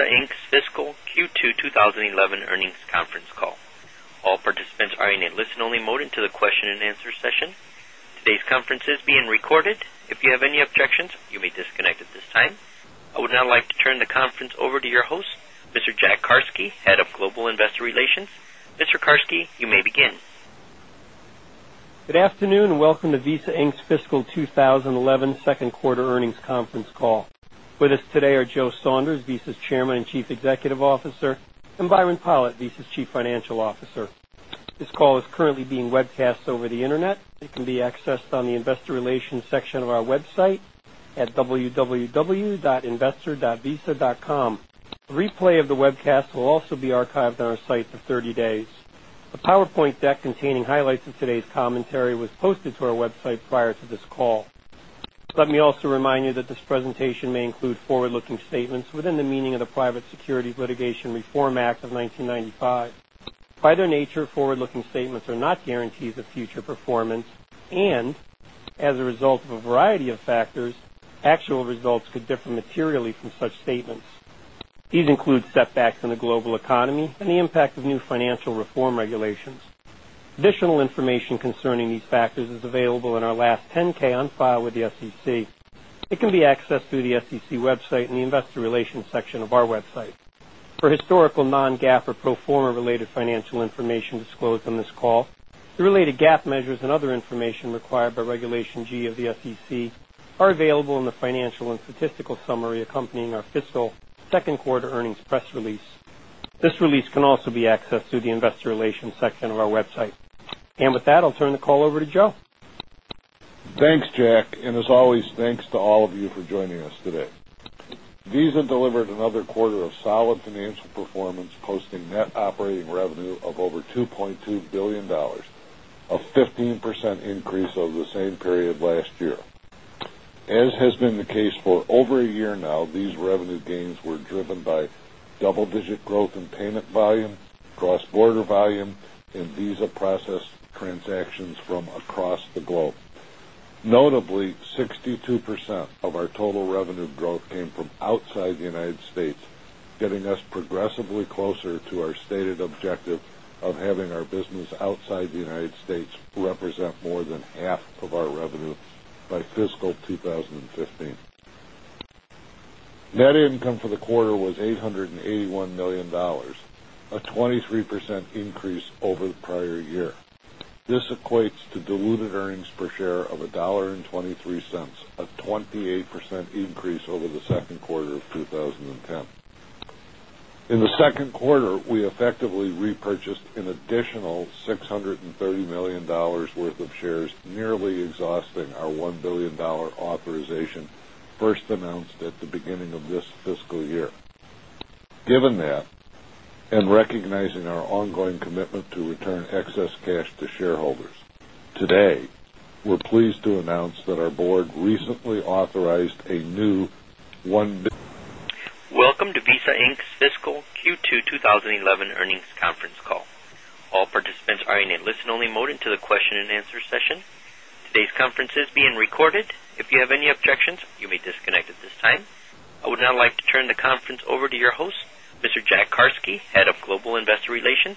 Welcome to Visa Inc.'s Fiscal Q2 2011 Earnings Conference Call. All participants are in a listen-only mode until the question and answer session. Today's conference is being recorded. If you have any objections, you may disconnect at this time. I would now like to turn the conference over to your host, Mr. Jack Carsky, Head of Global Investor Relations. Mr. Carsky, you may begin. Good afternoon and welcome to Visa Inc.'s Fiscal 2011 Second Quarter Earnings Conference Call. With us today are Joe Saunders, Visa's Chairman and Chief Executive Officer, and Byron Pollitt, Visa's Chief Financial Officer. This call is currently being webcast over the internet. It can be accessed on the Investor Relations section of our website at www.investor.visa.com. A replay of the webcast will also be archived on our site for 30 days. A PowerPoint deck containing highlights of today's commentary was posted to our website prior to this call. Let me also remind you that this presentation may include forward-looking statements within the meaning of the Private Securities Litigation Reform Act of 1995. By their nature, forward-looking statements are not guarantees of future performance and, as a result of a variety of factors, actual results could differ materially from such statements. These include setbacks in the global economy and the impact of new financial reform regulations. Additional information concerning these factors is available in our last 10-K on file with the SEC. It can be accessed through the SEC website in the Investor Relations section of our website. For historical non-GAAP or pro forma related financial information disclosed on this call, the related GAAP measures and other information required by Regulation G of the SEC are available in the Financial and Statistical Summary accompanying our fiscal second quarter earnings press release. This release can also be accessed through the Investor Relations section of our website. I'll turn the call over to Joe. Thanks, Jack, and as always, thanks to all of you for joining us today. Visa delivered another quarter of solid financial performance, posting net operating revenue of over $2.2 billion, a 15% increase over the same period last year. As has been the case for over a year now, these revenue gains were driven by double-digit growth in payment volume, cross-border volume, and Visa processed transactions from across the globe. Notably, 62% of our total revenue growth came from outside the United States, getting us progressively closer to our stated objective of having our business outside the United States represent more than half of our revenue by fiscal 2015. Net income for the quarter was $881 million, a 23% increase over the prior year. This equates to diluted earnings per share of $1.23, a 28% increase over the second quarter of 2010. In the second quarter, we effectively repurchased an additional $630 million worth of shares, nearly exhausting our $1 billion authorization first announced at the beginning of this fiscal year. Given that, and recognizing our ongoing commitment to return excess cash to shareholders, today, we're pleased to announce that our board recently authorized a new $1... Welcome to Visa Inc.'s Fiscal Q2 2011 Earnings Conference Call. All participants are in a listen-only mode until the question and answer session. Today's conference is being recorded. If you have any objections, you may disconnect at this time. I would now like to turn the conference over to your host, Mr. Jack Carsky, Head of Global Investor Relations.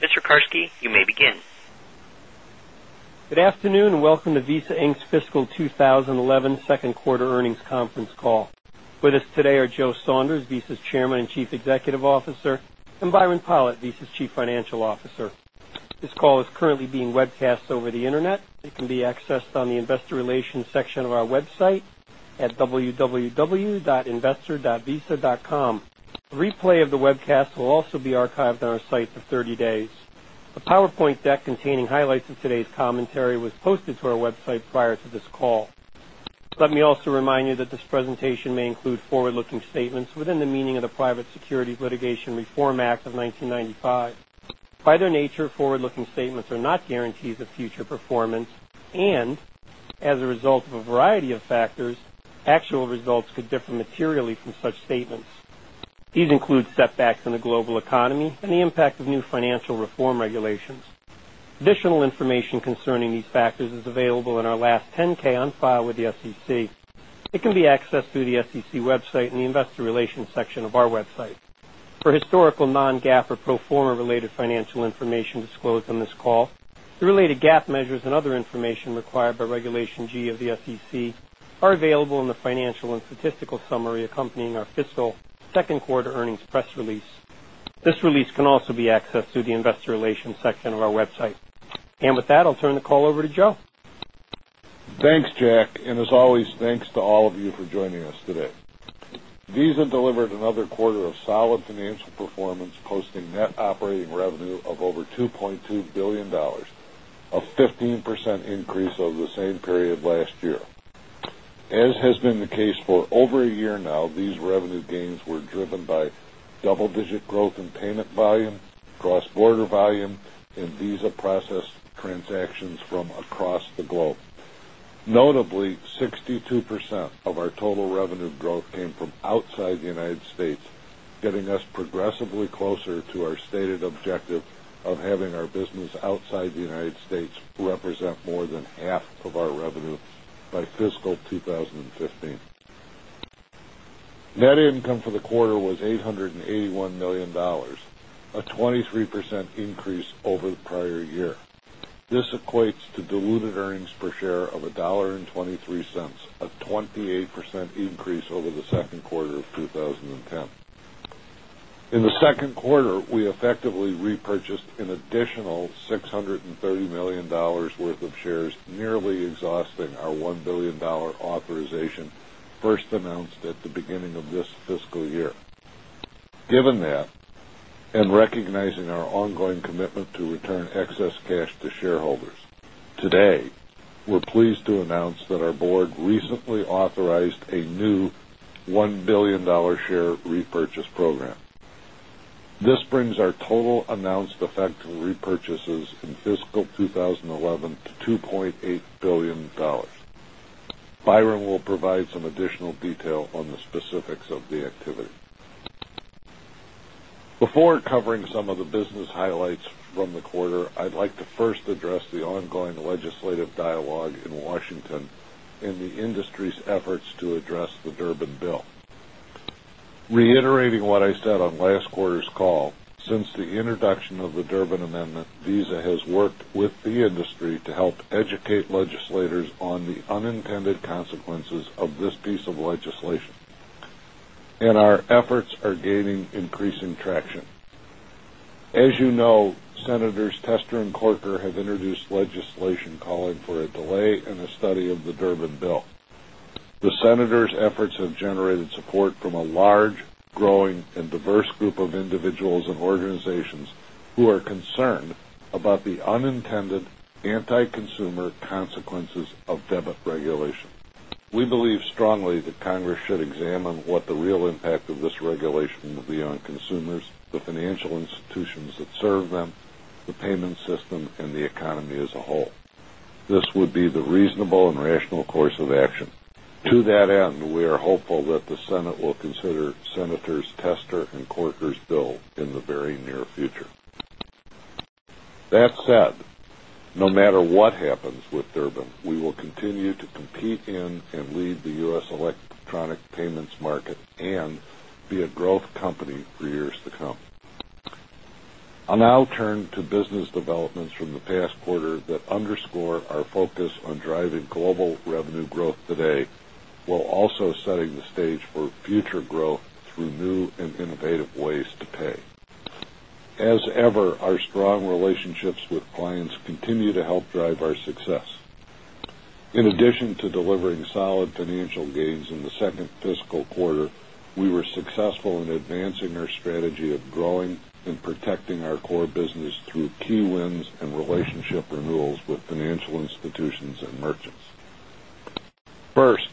Mr. Carsky, you may begin. Good afternoon and welcome to Visa Inc.'s Fiscal 2011 Second Quarter Earnings Conference Call. With us today are Joe Saunders, Visa's Chairman and Chief Executive Officer, and Byron Pollitt, Visa's Chief Financial Officer. This call is currently being webcast over the internet. It can be accessed on the Investor Relations section of our website at www.investor.visa.com. A replay of the webcast will also be archived on our site for 30 days. A PowerPoint deck containing highlights of today's commentary was posted to our website prior to this call. Let me also remind you that this presentation may include forward-looking statements within the meaning of the Private Securities Litigation Reform Act of 1995. By their nature, forward-looking statements are not guarantees of future performance, and as a result of a variety of factors, actual results could differ materially from such statements. These include setbacks in the global economy and the impact of new financial reform regulations. Additional information concerning these factors is available in our last 10-K on file with the SEC. It can be accessed through the SEC website in the Investor Relations section of our website. For historical non-GAAP or pro forma related financial information disclosed on this call, the related GAAP measures and other information required by Regulation G of the SEC are available in the Financial and Statistical Summary accompanying our fiscal second quarter earnings press release. This release can also be accessed through the Investor Relations section of our website. I'll turn the call over to Joe. Thanks, Jack, and as always, thanks to all of you for joining us today. Visa delivered another quarter of solid financial performance, posting net operating revenue of over $2.2 billion, a 15% increase over the same period last year. As has been the case for over a year now, these revenue gains were driven by double-digit growth in payment volume, cross-border volume, and Visa processed transactions from across the globe. Notably, 62% of our total revenue growth came from outside the United States, getting us progressively closer to our stated objective of having our business outside the United States represent more than half of our revenue by fiscal 2015. Net income for the quarter was $881 million, a 23% increase over the prior year. This equates to diluted earnings per share of $1.23, a 28% increase over the second quarter of 2010. In the second quarter, we effectively repurchased an additional $630 million worth of shares, nearly exhausting our $1 billion authorization first announced at the beginning of this fiscal year. Given that, and recognizing our ongoing commitment to return excess cash to shareholders, today, we're pleased to announce that our board recently authorized a new $1 billion share repurchase program. This brings our total announced effect of repurchases in fiscal 2011 to $2.8 billion. Byron will provide some additional detail on the specifics of the activity. Before covering some of the business highlights from the quarter, I'd like to first address the ongoing legislative dialogue in Washington and the industry's efforts to address the Durbin Bill. Reiterating what I said on last quarter's call, since the introduction of the Durbin Amendment, Visa has worked with the industry to help educate legislators on the unintended consequences of this piece of legislation. Our efforts are gaining increasing traction. As you know, Senators Tester and Corker have introduced legislation calling for a delay in a study of the Durbin Bill. The Senators' efforts have generated support from a large, growing, and diverse group of individuals and organizations who are concerned about the unintended anti-consumer consequences of debit regulation. We believe strongly that Congress should examine what the real impact of this regulation will be on consumers, the financial institutions that serve them, the payment system, and the economy as a whole. This would be the reasonable and rational course of action. To that end, we are hopeful that the Senate will consider Senators Tester and Corker's bill in the very near future. That said, no matter what happens with Durbin, we will continue to compete in and lead the US electronic payments market and be a growth company for years to come. I'll now turn to business developments from the past quarter that underscore our focus on driving global revenue growth today, while also setting the stage for future growth through new and innovative ways to pay. As ever, our strong relationships with clients continue to help drive our success. In addition to delivering solid financial gains in the second fiscal quarter, we were successful in advancing our strategy of growing and protecting our core business through key wins and relationship renewals with financial institutions and merchants. First,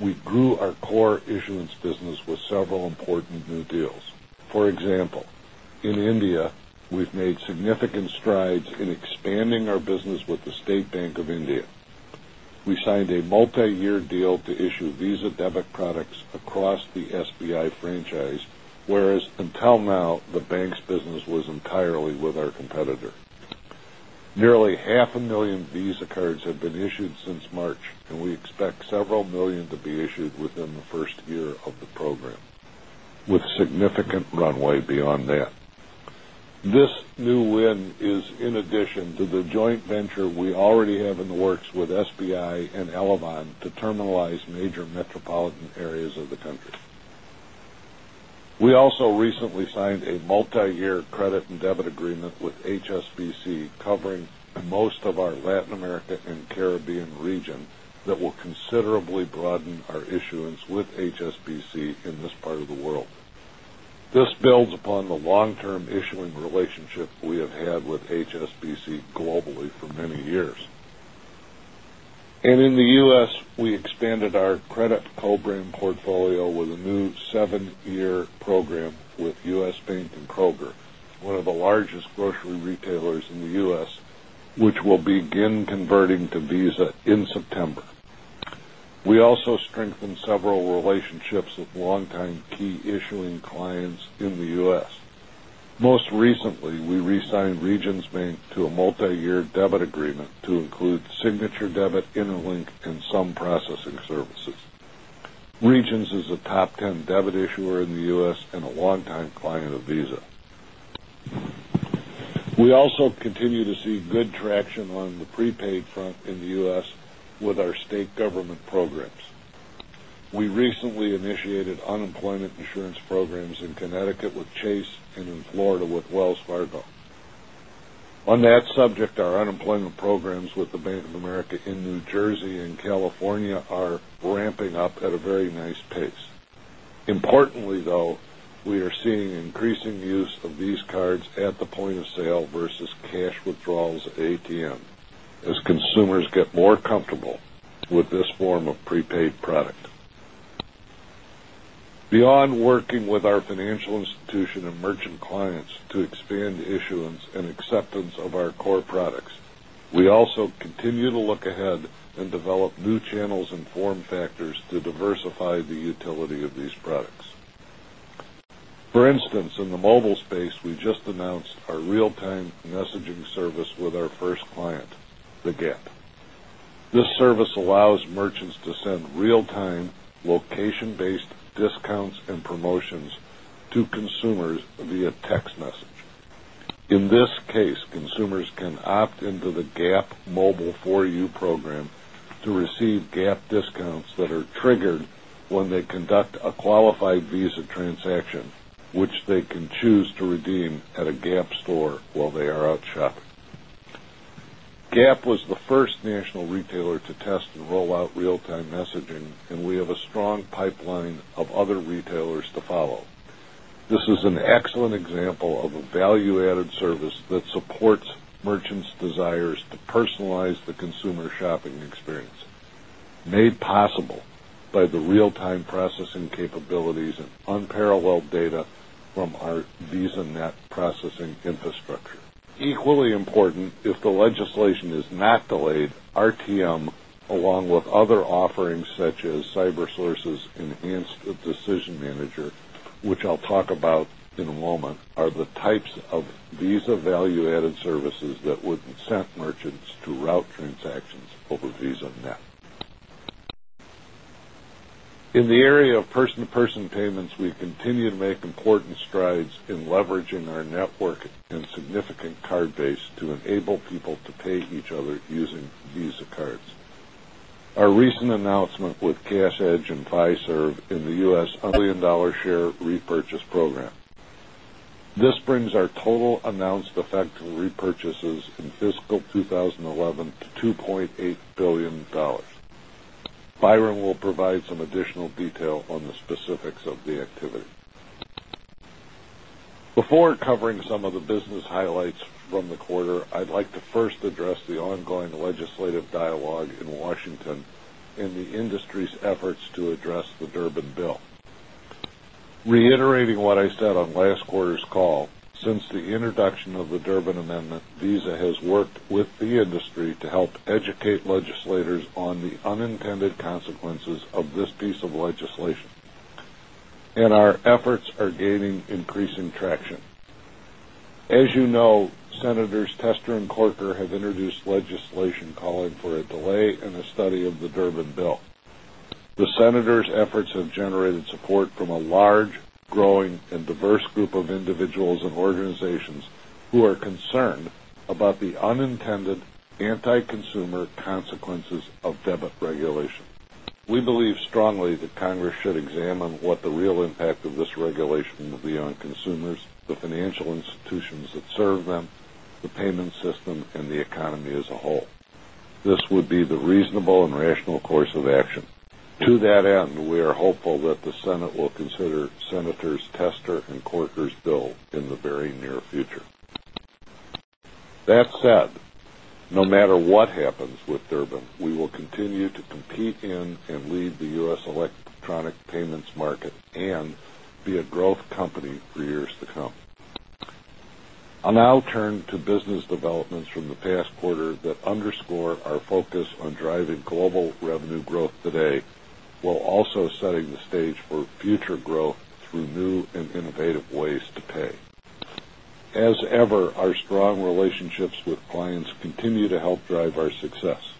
we grew our core issuance business with several important new deals. For example, in India, we've made significant strides in expanding our business with the State Bank of India. We signed a multi-year deal to issue Visa debit products across the SBI franchise, whereas until now, the bank's business was entirely with our competitor. Nearly 0.5 million Visa cards have been issued since March, and we expect several million to be issued within the first year of the program, with significant runway beyond that. This new win is in addition to the joint venture we already have in the works with SBI and Elavon to terminalize major metropolitan areas of the country. We also recently signed a multi-year credit and debit agreement with HSBC, covering most of our Latin America and Caribbean region that will considerably broaden our issuance with HSBC in this part of the world. This builds upon the long-term issuing relationship we have had with HSBC globally for many years. In the U.S., we expanded our credit program portfolio with a new seven-year program with U.S. Bank and Kroger, one of the largest grocery retailers in the U.S., which will begin converting to Visa in September. We also strengthened several relationships with long-time key issuing clients in the U.S. Most recently, we re-signed Regions Bank to a multi-year debit agreement to include signature debit, Interlink, and some processing services. Regions is a top 10 debit issuer in the U.S. and a long-time client of Visa. We also continue to see good traction on the prepaid front in the U.S. with our state government programs. We recently initiated unemployment insurance programs in Connecticut with Chase and in Florida with Wells Fargo. On that subject, our unemployment programs with Bank of America in New Jersey and California are ramping up at a very nice pace. Importantly, though, we are seeing increasing use of these cards at the point of sale versus cash withdrawals at ATM, as consumers get more comfortable with this form of prepaid product. Beyond working with our financial institution and merchant clients to expand issuance and acceptance of our core products, we also continue to look ahead and develop new channels and form factors to diversify the utility of these products. For instance, in the mobile space, we just announced our real-time messaging service with our first client, the Gap. This service allows merchants to send real-time location-based discounts and promotions to consumers via text message. In this case, consumers can opt into the Gap Mobile 4U program to receive Gap discounts that are triggered when they conduct a qualified Visa transaction, which they can choose to redeem at a Gap store while they are out shopping. Gap was the first national retailer to test and roll out real-time messaging, and we have a strong pipeline of other retailers to follow. This is an excellent example of a value-added service that supports merchants' desires to personalize the consumer shopping experience, made possible by the real-time processing capabilities and unparalleled data from our VisaNet processing infrastructure. Equally important, if the legislation is not delayed, RTM, along with other offerings such as CyberSource's and Enhanced Decision Manager, which I'll talk about in a moment, are the types of Visa value-added services that would incent merchants to route transactions over VisaNet. In the area of person-to-person payments, we continue to make important strides in leveraging our network and significant card base to enable people to pay each other using Visa cards. Our recent announcement with CashEdge and Fiserv in the U.S. Billion share repurchase program. This brings our total announced effect of repurchases in fiscal 2011 to $2.8 billion. Byron will provide some additional detail on the specifics of the activity. Before covering some of the business highlights from the quarter, I'd like to first address the ongoing legislative dialogue in Washington and the industry's efforts to address the Durbin Bill. Reiterating what I said on last quarter's call, since the introduction of the Durbin Amendment, Visa has worked with the industry to help educate legislators on the unintended consequences of this piece of legislation. Our efforts are gaining increasing traction. As you know, Senators Tester and Corker have introduced legislation calling for a delay in a study of the Durbin Bill. The Senators' efforts have generated support from a large, growing, and diverse group of individuals and organizations who are concerned about the unintended anti-consumer consequences of debit regulation. We believe strongly that Congress should examine what the real impact of this regulation will be on consumers, the financial institutions that serve them, the payment system, and the economy as a whole. This would be the reasonable and rational course of action. To that end, we are hopeful that the Senate will consider Senators Tester and Corker's bill in the very near future. That said, no matter what happens with Durbin, we will continue to compete in and lead the US electronic payments market and be a growth company for years to come. I'll now turn to business developments from the past quarter that underscore our focus on driving global revenue growth today, while also setting the stage for future growth through new and innovative ways to pay. As ever, our strong relationships with clients continue to help drive our success.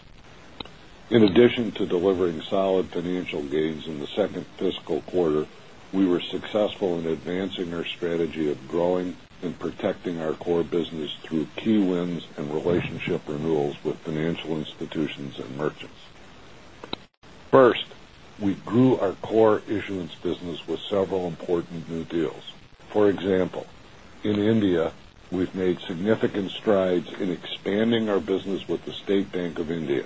In addition to delivering solid financial gains in the second fiscal quarter, we were successful in advancing our strategy of growing and protecting our core business through key wins and relationship renewals with financial institutions and merchants. First, we grew our core issuance business with several important new deals. For example, in India, we've made significant strides in expanding our business with the State Bank of India.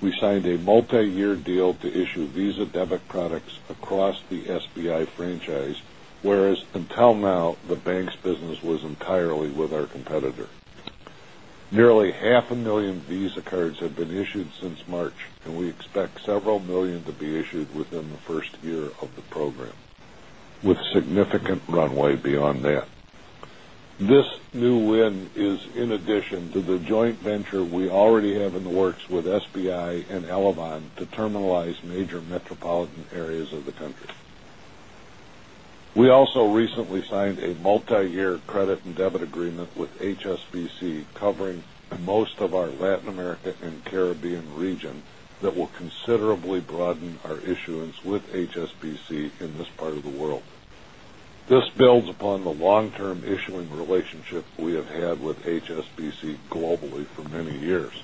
We signed a multi-year deal to issue Visa debit products across the SBI franchise, whereas until now, the bank's business was entirely with our competitor. Nearly 0.5 million Visa cards have been issued since March, and we expect several million to be issued within the first year of the program, with significant runway beyond that. This new win is in addition to the joint venture we already have in the works with SBI and Elavon to terminalize major metropolitan areas of the country. We also recently signed a multi-year credit and debit agreement with HSBC, covering most of our Latin America and Caribbean region that will considerably broaden our issuance with HSBC in this part of the world. This builds upon the long-term issuing relationships we have had with HSBC globally for many years.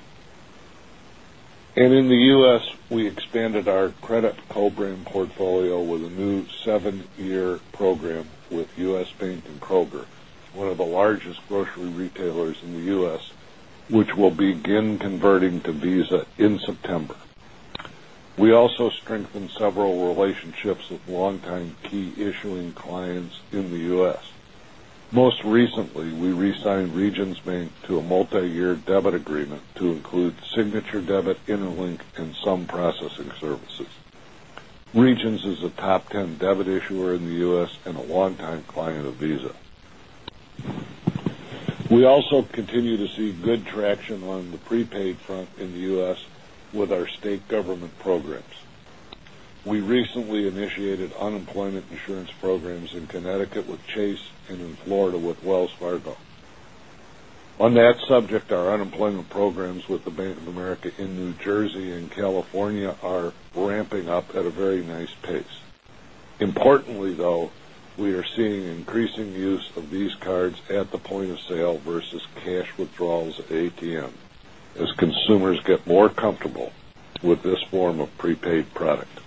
In the U.S., we expanded our credit program portfolio with a new seven-year program with US Bank and Kroger, one of the largest grocery retailers in the U.S., which will begin converting to Visa in September. We also strengthened several relationships with long-time key issuing clients in the U.S. Most recently, we re-signed Regions Bank to a multi-year debit agreement to include signature debit, Interlink, and some processing services. Regions is a top 10 debit issuer in the U.S. and a long-time client of Visa. We also continue to see good traction on the prepaid front in the U.S. with our state government programs. We recently initiated unemployment insurance programs in Connecticut with Chase and in Florida with Wells Fargo. On that subject, our unemployment programs with Bank of America in New Jersey and California are ramping up at a very nice pace. Importantly, though, we are seeing increasing use of these cards at the point of sale versus cash withdrawals at ATM, as consumers get more comfortable with this form of prepaid product.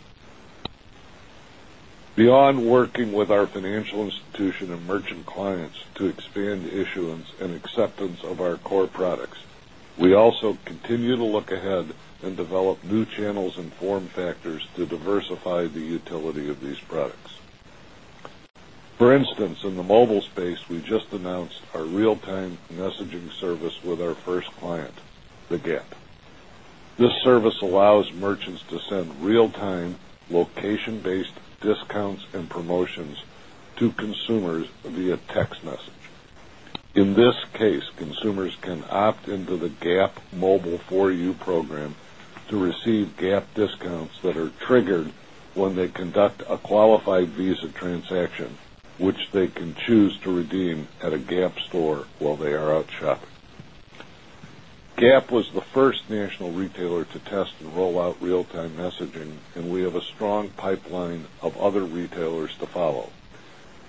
Beyond working with our financial institution and merchant clients to expand issuance and acceptance of our core products, we also continue to look ahead and develop new channels and form factors to diversify the utility of these products. For instance, in the mobile space, we just announced our real-time messaging service with our first client, Gap. This service allows merchants to send real-time location-based discounts and promotions to consumers via text message. In this case, consumers can opt into the Gap Mobile 4U program to receive Gap discounts that are triggered when they conduct a qualified Visa transaction, which they can choose to redeem at a Gap store while they are out shopping. Gap was the first national retailer to test and roll out real-time messaging, and we have a strong pipeline of other retailers to follow.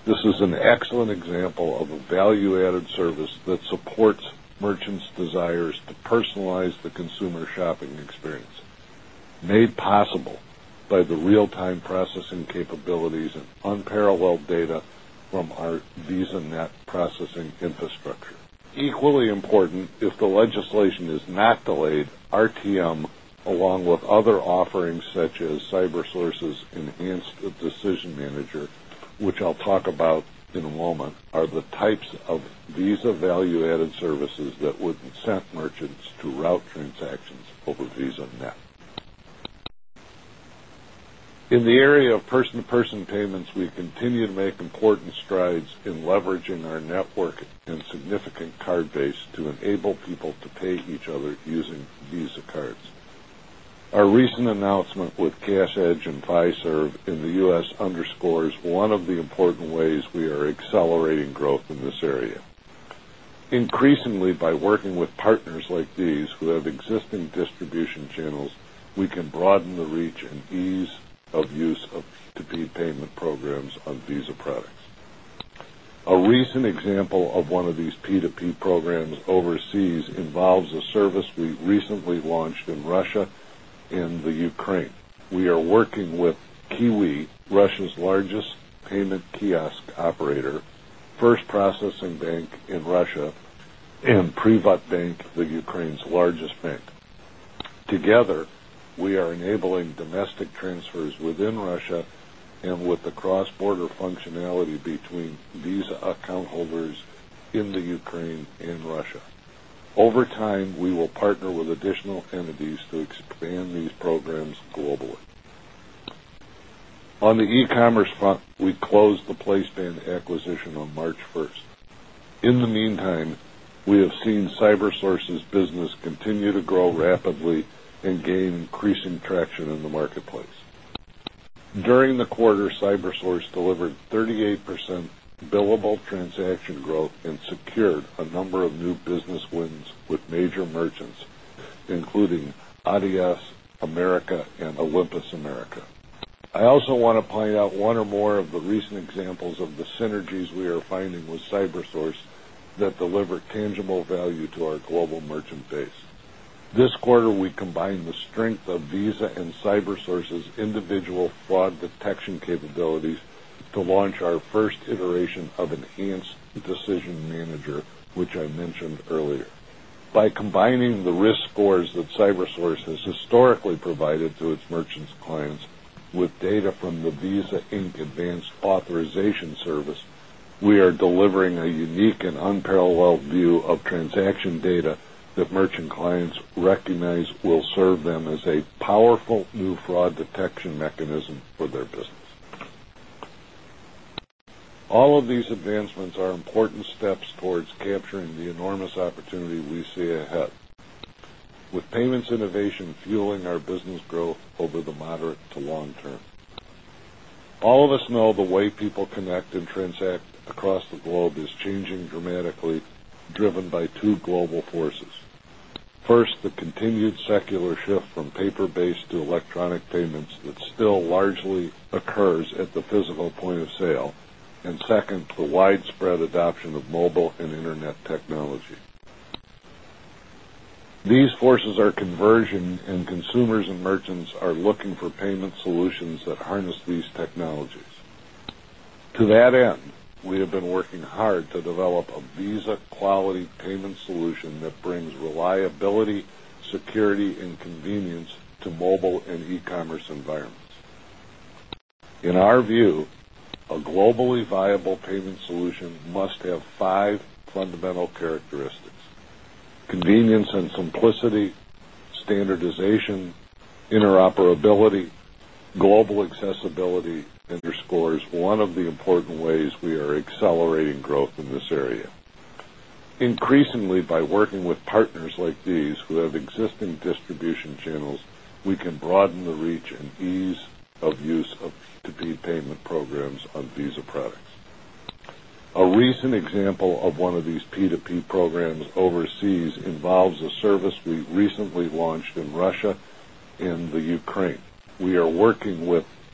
This is an excellent example of a value-added service that supports merchants' desires to personalize the consumer shopping experience, made possible by the real-time processing capabilities and unparalleled data from our VisaNet processing infrastructure. Equally important, if the legislation is not delayed, RTM, along with other offerings such as CyberSource's and Enhanced Decision Manager, which I'll talk about in a moment, are the types of Visa value-added services that would incent merchants to route transactions over VisaNet. In the area of person-to-person payments, we continue to make important strides in leveraging our network and significant card base to enable people to pay each other using Visa cards. Our recent announcement with CashEdge and Fiserv in the U.S. underscores one of the important ways we are accelerating growth in this area. Increasingly, by working with partners like these who have existing distribution channels, we can broaden the reach and ease of use of P2P payment programs on Visa products. A recent example of one of these P2P programs overseas involves a service we recently launched in Russia and the Ukraine. We are working with QIWI, Russia's largest payment kiosk operator, First Processing Bank in Russia, and PrivatBank, the Ukraine's largest bank. Together, we are enabling domestic transfers within Russia and with the cross-border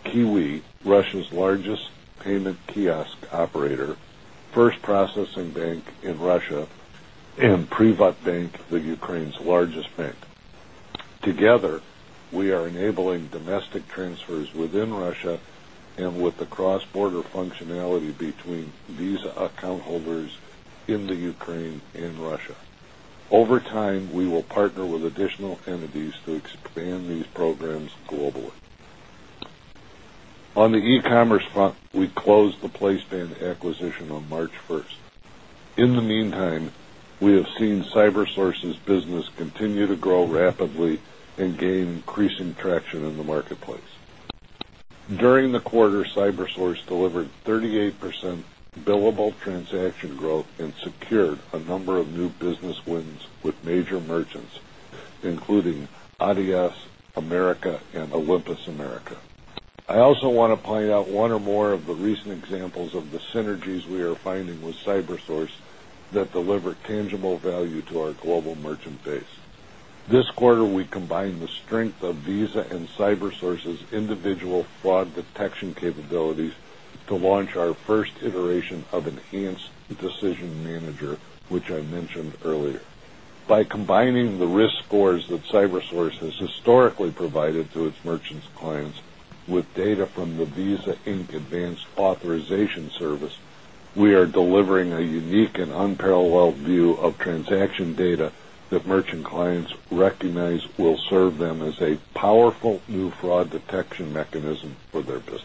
functionality between Visa account holders in the Ukraine and Russia. Over time, we will partner with additional entities to expand these programs globally. On the e-commerce front, we closed the PlaySpan acquisition on March 1st. In the meantime, we have seen CyberSource's business continue to grow rapidly and gain increasing traction in the marketplace. During the quarter, CyberSource delivered 38% billable transaction growth and secured a number of new business wins with major merchants, including ADS, America and Olympus America. I also want to point out one or more of the recent examples of the synergies we are finding with CyberSource that deliver tangible value to our global merchant base. This quarter, we combined the strength of Visa and CyberSource's individual fraud detection capabilities to launch our first iteration of Enhanced Decision Manager, which I mentioned earlier. By combining the risk scores that CyberSource has historically provided to its merchant clients with data from the Visa Inc. Advanced Authorization Service, we are delivering a unique and unparalleled view of transaction data that merchant clients recognize will serve them as a powerful new fraud detection mechanism for their business.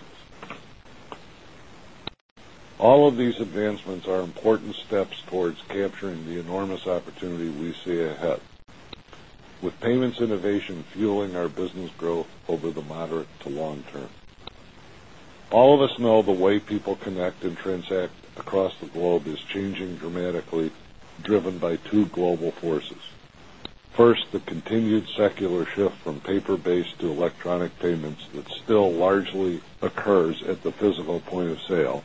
All of these advancements are important steps towards capturing the enormous opportunity we see ahead, with payments innovation fueling our business growth over the moderate to long term. All of us know the way people connect and transact across the globe is changing dramatically, driven by two global forces. First, the continued secular shift from paper-based to electronic payments that still largely occurs at the physical point of sale,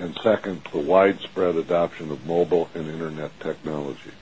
and second, the widespread adoption of mobile and internet technology.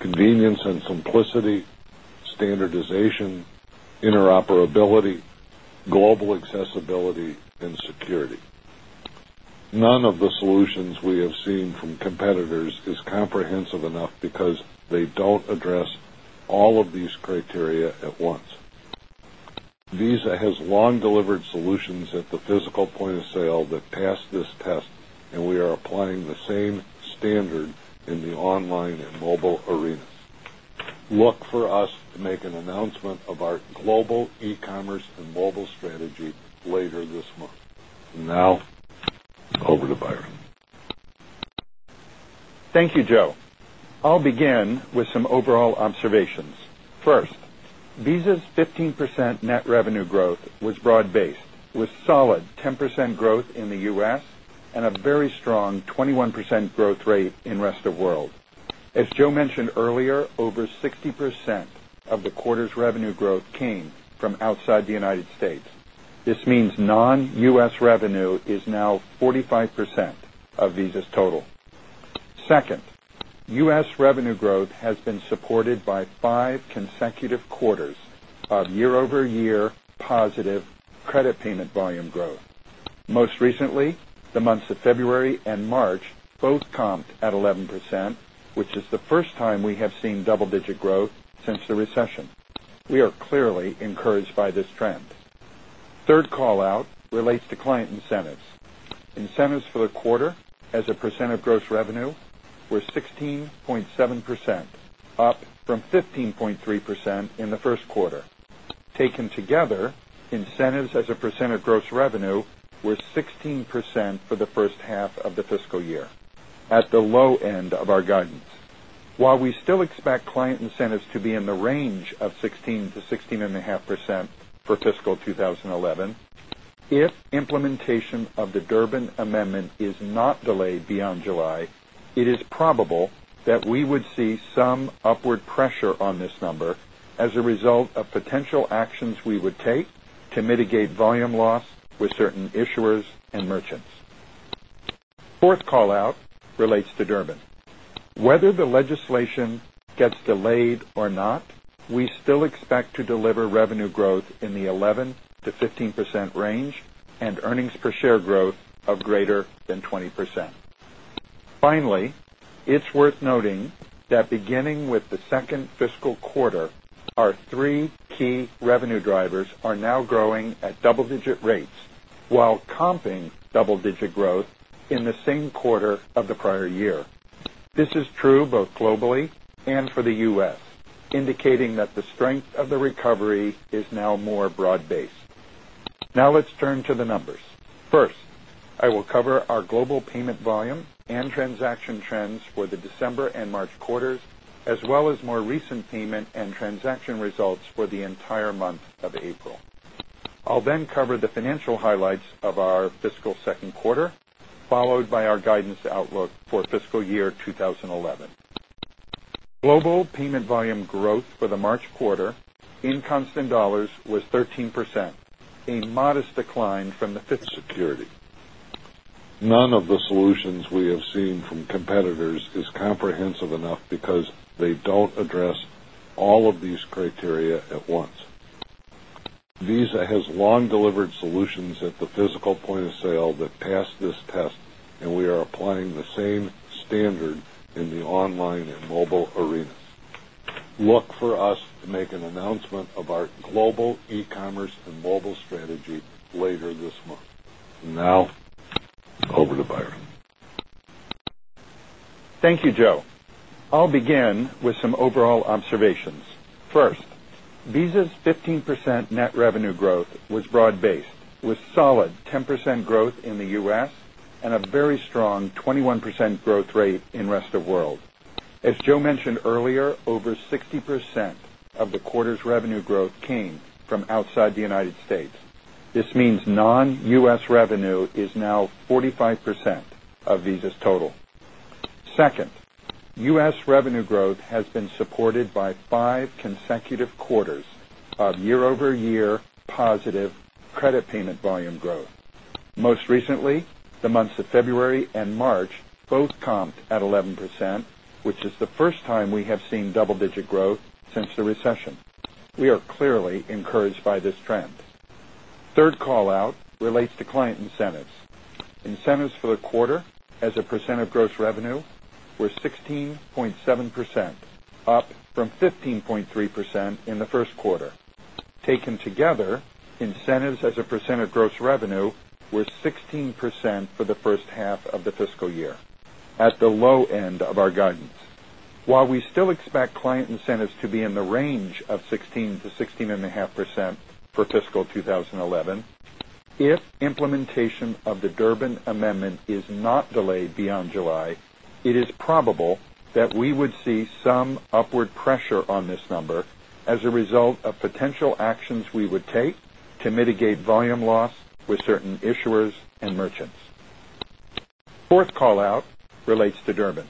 convenience and simplicity, standardization, interoperability, global accessibility, and security. None of the solutions we have seen from competitors is comprehensive enough because they don't address all of these criteria at once. Visa has long delivered solutions at the physical point of sale that passed this test, and we are applying the same standard in the online and mobile arenas. Look for us to make an announcement of our global e-commerce and mobile strategy later this month. Now, over to Byron. Thank you, Joe. I'll begin with some overall observations. First, Visa's 15% net revenue growth was broad-based, with solid 10% growth in the U.S. and a very strong 21% growth rate in the rest of the world. As Joe mentioned earlier, over 60% of the quarter's revenue growth came from outside the United States. This means non-U.S. revenue is now 45% of Visa's total. Second, U.S. revenue growth has been supported by five consecutive quarters of year-over-year positive credit payment volume growth. Most recently, the months of February and March both comped at 11%, which is the first time we have seen double-digit growth since the recession. We are clearly encouraged by this trend. Third callout relates to client incentives. Incentives for the quarter as a percent of gross revenue were 16.7%, up from 15.3% in the First Quarter. Taken together, incentives as a percent of gross revenue were 16% for the first half of the fiscal year, at the low end of our guidance. While we still expect client incentives to be in the range of 16%-16.5% for fiscal 2011, if implementation of the Durbin Amendment is not delayed beyond July, it is probable that we would see some upward pressure on this number as a result of potential actions we would take to mitigate volume loss with certain issuers and merchants. Fourth callout relates to Durbin. Whether the legislation gets delayed or not, we still expect to deliver revenue growth in the 11%-15% range and earnings per share growth of greater than 20%. Finally, it's worth noting that beginning with the second fiscal quarter, our three key revenue drivers are now growing at double-digit rates while comping double-digit growth in the same quarter of the prior year. This is true both globally and for the U.S., indicating that the strength of the recovery is now more broad-based. Now let's turn to the numbers. First, I will cover our global payment volume and transaction trends for the December and March quarters, as well as more recent payment and transaction results for the entire month of April. I'll then cover the financial highlights of our fiscal second quarter, followed by our guidance outlook for fiscal year 2011. Global payment volume growth for the March quarter in constant dollars was 13%, a modest decline from the fiscal. None of the solutions we have seen from competitors is comprehensive enough because they don't address all of these criteria at once. Visa has long delivered solutions at the physical point of sale that passed this test, and we are applying the same standard in the online and mobile arenas. Look for us to make an announcement of our global e-commerce and mobile strategy later this month. Now, over to Byron. Thank you, Joe. I'll begin with some overall observations. First, Visa's 15% net revenue growth was broad-based, with solid 10% growth in the U.S. and a very strong 21% growth rate in the rest of the world. As Joe mentioned earlier, over 60% of the quarter's revenue growth came from outside the United States. This means non-U.S. revenue is now 45% of Visa's total. Second, U.S. revenue growth has been supported by five consecutive quarters of year-over-year positive credit payment volume growth. Most recently, the months of February and March both comped at 11%, which is the first time we have seen double-digit growth since the recession. We are clearly encouraged by this trend. Third callout relates to client incentives. Incentives for the quarter as a percent of gross revenue were 16.7%, up from 15.3% in the First Quarter. Taken together, incentives as a percent of gross revenue were 16% for the first half of the fiscal year, at the low end of our guidance. While we still expect client incentives to be in the range of 16%-16.5% for fiscal 2011, if implementation of the Durbin Amendment is not delayed beyond July, it is probable that we would see some upward pressure on this number as a result of potential actions we would take to mitigate volume loss with certain issuers and merchants. Fourth callout relates to Durbin.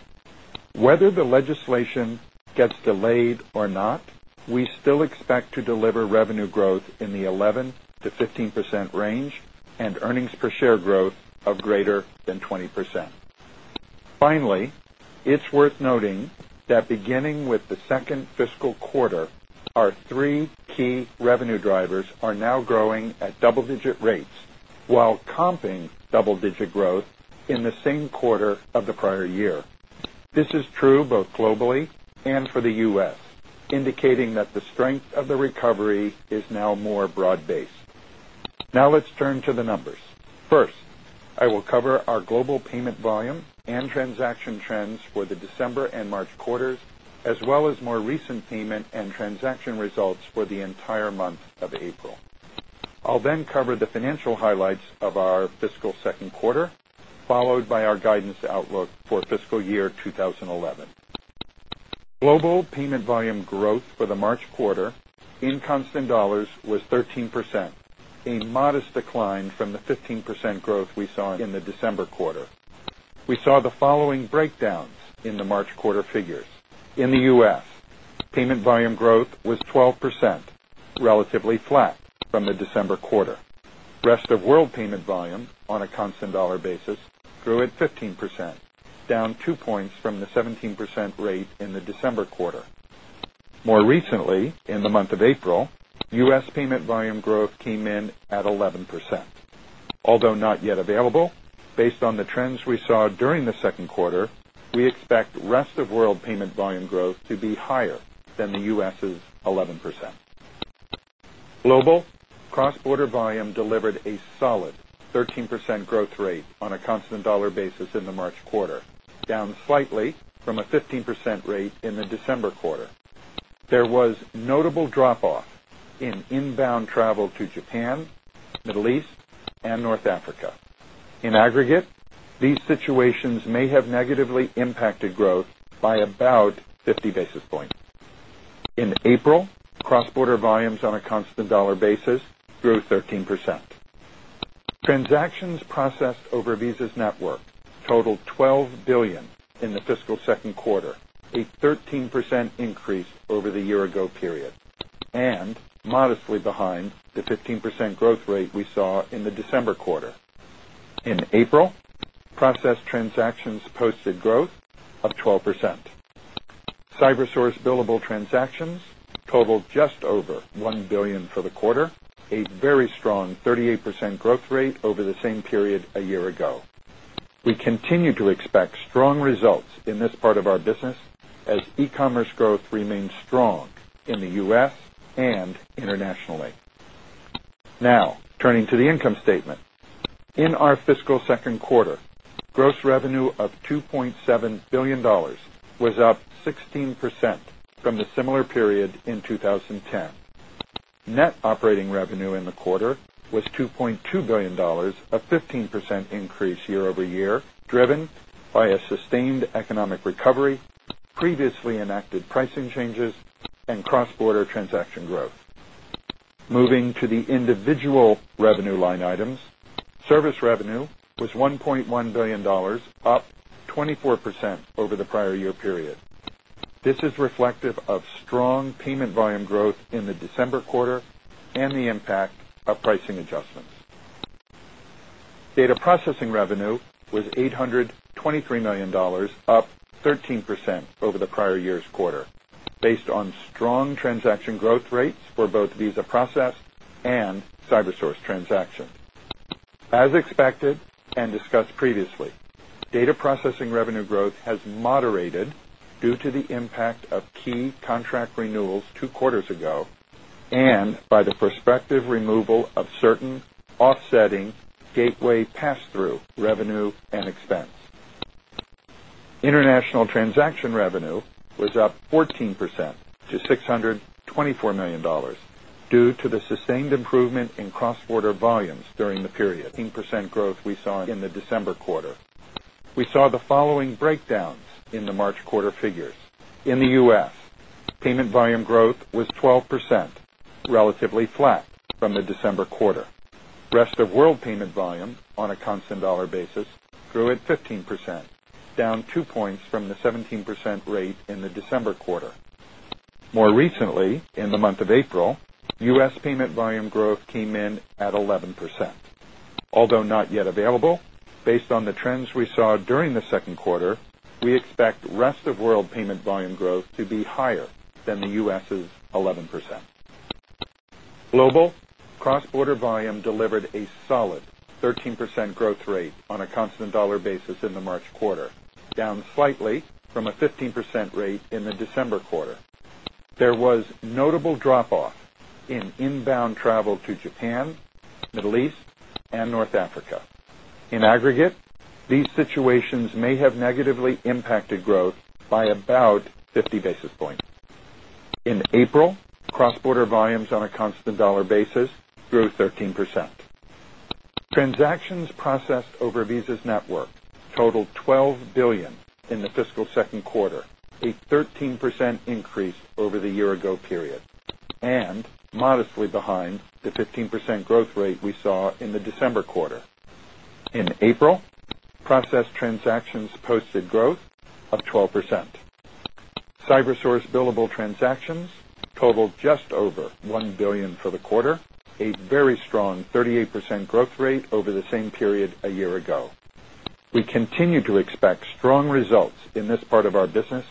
Whether the legislation gets delayed or not, we still expect to deliver revenue growth in the 11%-15% range and earnings per share growth of greater than 20%. Finally, it's worth noting that beginning with the second fiscal quarter, our three key revenue drivers are now growing at double-digit rates while comping double-digit growth in the same quarter of the prior year. This is true both globally and for the U.S., indicating that the strength of the recovery is now more broad-based. Now let's turn to the numbers. First, I will cover our global payment volume and transaction trends for the December and March quarters, as well as more recent payment and transaction results for the entire month of April. I'll then cover the financial highlights of our fiscal second quarter, followed by our guidance outlook for fiscal year 2011. Global payment volume growth for the March quarter in constant dollars was 13%, a modest decline from the 15% growth we saw in the December quarter. We saw the following breakdowns in the March quarter figures. In the U.S., payment volume growth was 12%, relatively flat from the December quarter. The rest of the world payment volume on a constant dollar basis grew at 15%, down two points from the 17% rate in the December quarter. More recently, in the month of April, US payment volume growth came in at 11%. Although not yet available, based on the trends we saw during the second quarter, we expect the rest of the world payment volume growth to be higher than the U.S.'s 11%. Global, cross-border volume delivered a solid 13% growth rate on a constant dollar basis in the March quarter, down slightly from a 15% rate in the December quarter. There was notable drop-off in inbound travel to Japan, the Middle East, and North Africa. In aggregate, these situations may have negatively impacted growth by about 50 basis points. In April, cross-border volumes on a constant dollar basis grew 13%. Transactions processed over Visa's network totaled $12 billion in the fiscal second quarter, a 13% increase over the year-ago period, and modestly behind the 15% growth rate we saw in the December quarter. In April, processed transactions posted growth of 12%. CyberSource billable transactions totaled just over $1 billion for the quarter, a very strong 38% growth rate over the same period a year ago. We continue to expect strong results in this part of our business as e-commerce growth remains strong in the U.S. and internationally. Now, turning to the income statement. In our fiscal second quarter, gross revenue of $2.7 billion was up 16% from the similar period in 2010. Net operating revenue in the quarter was $2.2 billion, a 15% increase year-over-year, driven by a sustained economic recovery, previously enacted pricing changes, and cross-border transaction growth. Moving to the individual revenue line items, service revenue was $1.1 billion, up 24% over the prior year period. This is reflective of strong payment volume growth in the December quarter and the impact of pricing adjustments. Data processing revenue was $823 million, up 13% over the prior year's quarter, based on strong transaction growth rates for both Visa processed and CyberSource transactions. As expected and discussed previously, data processing revenue growth has moderated due to the impact of key contract renewals two quarters ago and by the prospective removal of certain offsetting gateway pass-through revenue and expense. International transaction revenue was up 14% to $624 million due to the sustained improvement in cross-border volumes during the period. Percent growth we saw in the December quarter. We saw the following breakdowns in the March quarter figures. In the U.S., payment volume growth was 12%, relatively flat from the December quarter. The rest of the world payment volume on a constant dollar basis grew at 15%, down two points from the 17% rate in the December quarter. More recently, in the month of April, US payment volume growth came in at 11%. Although not yet available, based on the trends we saw during the second quarter, we expect the rest of the world payment volume growth to be higher than the U.S.'s 11%. Global cross-border volume delivered a solid 13% growth rate on a constant dollar basis in the March quarter, down slightly from a 15% rate in the December quarter. There was notable drop-off in inbound travel to Japan, the Middle East, and North Africa. In aggregate, these situations may have negatively impacted growth by about 50 basis points. In April, cross-border volumes on a constant dollar basis grew 13%. Transactions processed over Visa's network totaled $12 billion in the fiscal second quarter, a 13% increase over the year-ago period, and modestly behind the 15% growth rate we saw in the December quarter. In April, processed transactions posted growth of 12%. CyberSource billable transactions totaled just over $1 billion for the quarter, a very strong 38% growth rate over the same period a year ago. We continue to expect strong results in this part of our business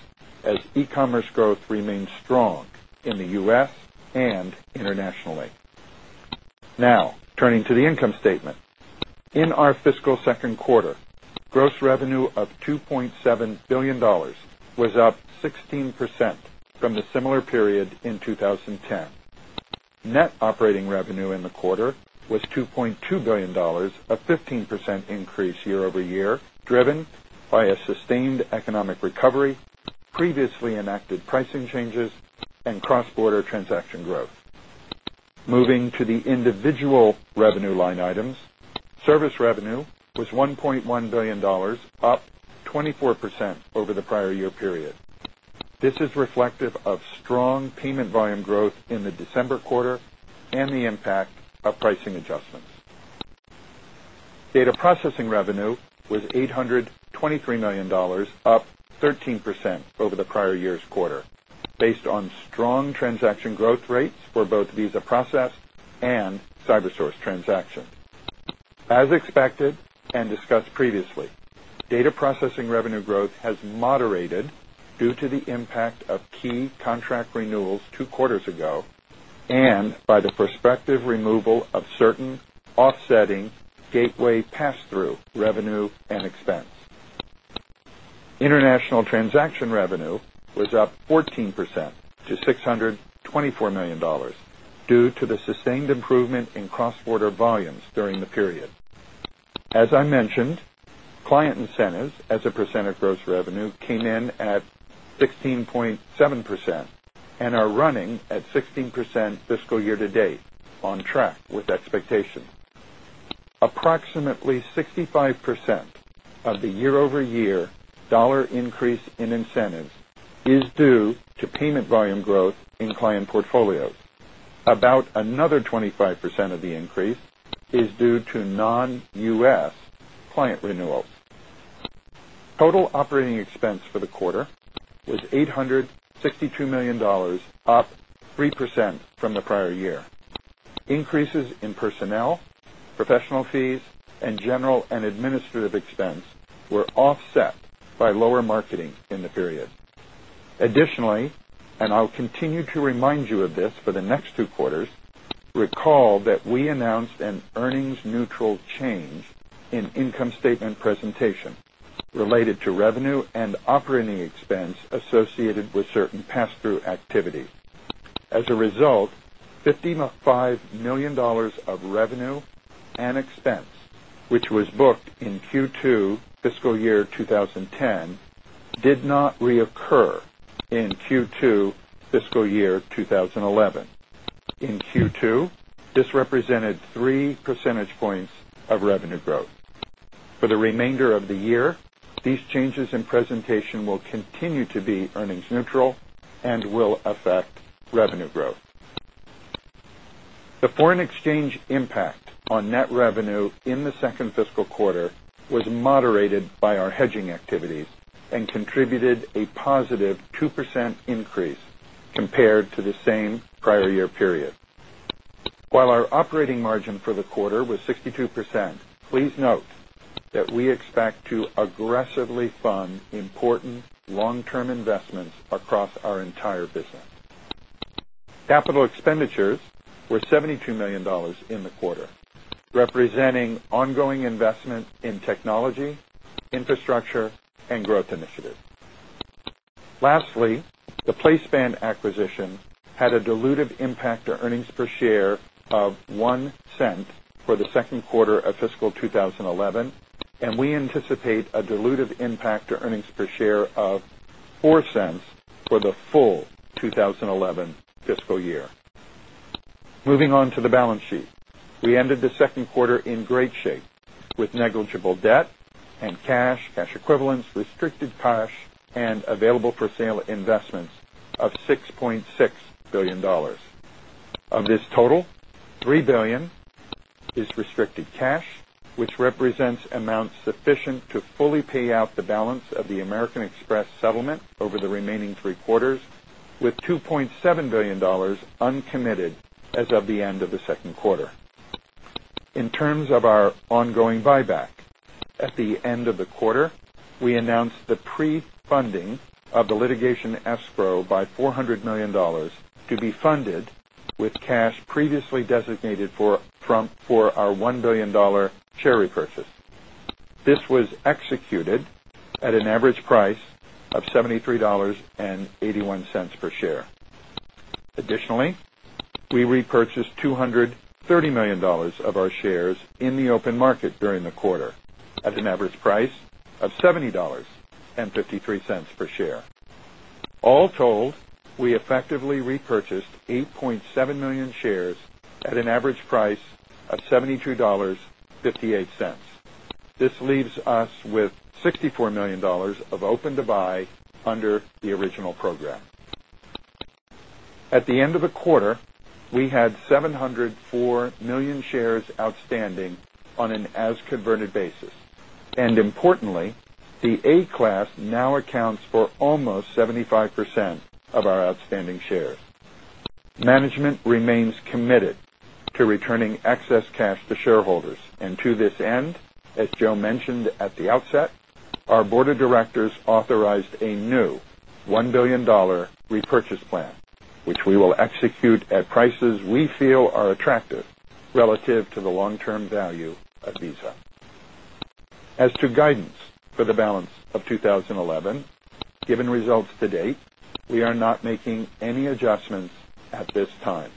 as e-commerce growth remains strong in the U.S. and internationally. Now, turning to the income statement. In our fiscal second quarter, gross revenue of $2.7 billion was up 16% from the similar period in 2010. Net operating revenue in the quarter was $2.2 billion, a 15% increase year-over-year, driven by a sustained economic recovery, previously enacted pricing changes, and cross-border transaction growth. Moving to the individual revenue line items, service revenue was $1.1 billion, up 24% over the prior year period. This is reflective of strong payment volume growth in the December quarter and the impact of pricing adjustments. Data processing revenue was $823 million, up 13% over the prior year's quarter, based on strong transaction growth rates for both Visa processed and CyberSource transactions. As expected and discussed previously, data processing revenue growth has moderated due to the impact of key contract renewals two quarters ago and by the prospective removal of certain offsetting gateway pass-through revenue and expense. International transaction revenue was up 14% to $624 million due to the sustained improvement in cross-border volumes during the period. As I mentioned, client incentives as a percentage of gross revenue came in at 16.7% and are running at 16% fiscal year to date, on track with expectations. Approximately 65% of the year-over-year dollar increase in incentives is due to payment volume growth in client portfolios. About another 25% of the increase is due to non-U.S. client renewals. Total operating expense for the quarter was $862 million, up 3% from the prior year. Increases in personnel, professional fees, and general and administrative expense were offset by lower marketing in the period. Additionally, I'll continue to remind you of this for the next two quarters, recall that we announced an earnings-neutral change in income statement presentation related to revenue and operating expense associated with certain pass-through activities. As a result, $50.5 million of revenue and expense, which was booked in Q2 fiscal year 2010, did not reoccur in Q2 fiscal year 2011. In Q2, this represented three percentage points of revenue growth. For the remainder of the year, these changes in presentation will continue to be earnings-neutral and will affect revenue growth. The foreign exchange impact on net revenue in the second fiscal quarter was moderated by our hedging activities and contributed a positive 2% increase compared to the same prior year period. While our operating margin for the quarter was 62%, please note that we expect to aggressively fund important long-term investments across our entire business. Capital expenditures were $72 million in the quarter, representing ongoing investment in technology, infrastructure, and growth initiatives. Lastly, the PlaySpan acquisition had a diluted impact to earnings per share of $0.01 for the second quarter of fiscal 2011, and we anticipate a diluted impact to earnings per share of $0.04 for the full 2011 fiscal year. Moving on to the balance sheet, we ended the second quarter in great shape with negligible debt and cash, cash equivalents, restricted cash, and available for sale investments of $6.6 billion. Of this total, $3 billion is restricted cash, which represents amounts sufficient to fully pay out the balance of the American Express settlement over the remaining three quarters, with $2.7 billion uncommitted as of the end of the second quarter. In terms of our ongoing buyback, at the end of the quarter, we announced the pre-funding of the litigation escrow by $400 million to be funded with cash previously designated for our $1 billion share repurchase. This was executed at an average price of $73.81 per share. Additionally, we repurchased $230 million of our shares in the open market during the quarter at an average price of $70.53 per share. All told, we effectively repurchased 8.7 million shares at an average price of $72.58. This leaves us with $64 million of open to buy under the original program. At the end of the quarter, we had 704 million shares outstanding on an as-converted basis. Importantly, the A-class now accounts for almost 75% of our outstanding shares. Management remains committed to returning excess cash to shareholders. To this end, as Joe mentioned at the outset, our Board of Directors authorized a new $1 billion repurchase plan, which we will execute at prices we feel are attractive relative to the long-term value of Visa. As to guidance for the balance of 2011, given results to date, we are not making any adjustments at this time.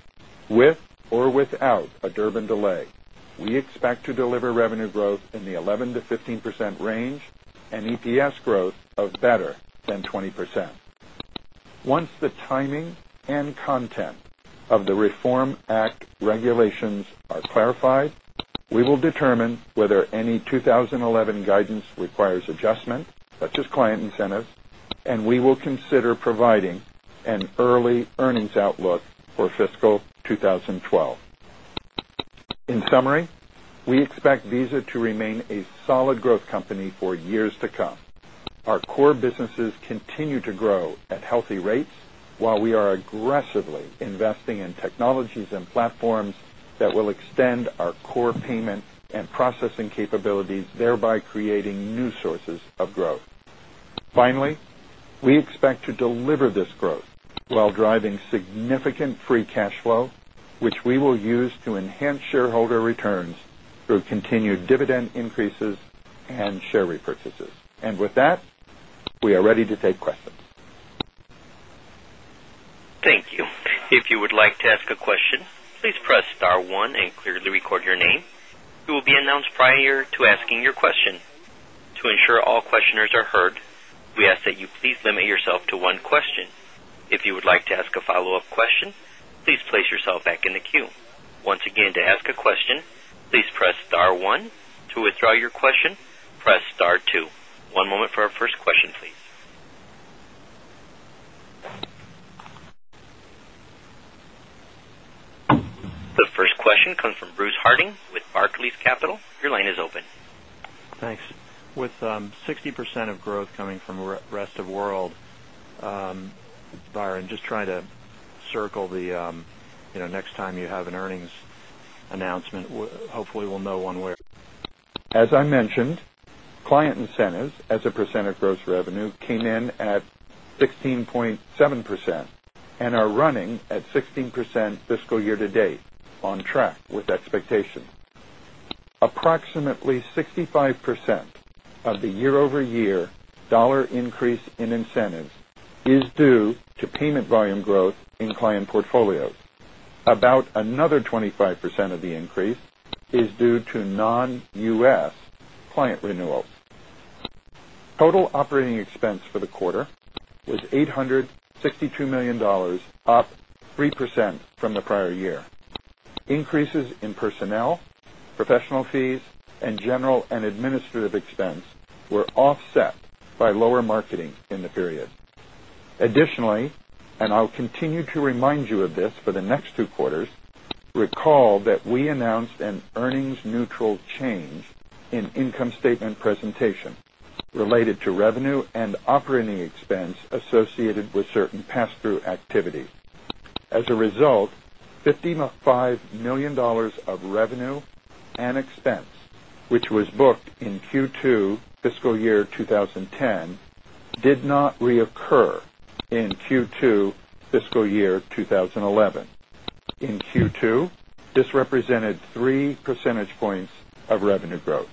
With or without a Durbin delay, we expect to deliver revenue growth in the 11%-15% range and EPS growth of better than 20%. Once the timing and content of the Reform Act regulations are clarified, we will determine whether any 2011 guidance requires adjustment, such as client incentives, and we will consider providing an early earnings outlook for fiscal 2012. In summary, we expect Visa to remain a solid growth company for years to come. Our core businesses continue to grow at healthy rates while we are aggressively investing in technologies and platforms that will extend our core payment and processing capabilities, thereby creating new sources of growth. Finally, we expect to deliver this growth while driving significant free cash flow, which we will use to enhance shareholder returns through continued dividend increases and share repurchases. We are ready to take questions. Thank you. If you would like to ask a question, please press star one and clearly record your name. You will be announced prior to asking your question. To ensure all questioners are heard, we ask that you please limit yourself to one question. If you would like to ask a follow-up question, please place yourself back in the queue. Once again, to ask a question, please press star one. To withdraw your question, press star two. One moment for our first question, please. The first question comes from Bruce Harting with Barclays Capital. Your line is open. Thanks. With 60% of growth coming from the rest of the world, Byron, just trying to circle the next time you have an earnings announcement, hopefully we'll know one way. As I mentioned, client incentives as a percentage of gross revenue came in at 16.7% and are running at 16% fiscal year to date, on track with expectations. Approximately 65% of the year-over-year dollar increase in incentives is due to payment volume growth in client portfolios. About another 25% of the increase is due to non-U.S. client renewals. Total operating expense for the quarter was $862 million, up 3% from the prior year. Increases in personnel, professional fees, and general and administrative expense were offset by lower marketing in the period. Additionally, I'll continue to remind you of this for the next two quarters, recall that we announced an earnings-neutral change in income statement presentation related to revenue and operating expense associated with certain pass-through activities. As a result, $50.5 million of revenue and expense, which was booked in Q2 fiscal year 2010, did not reoccur in Q2 fiscal year 2011. In Q2, this represented 3 percentage points of revenue growth.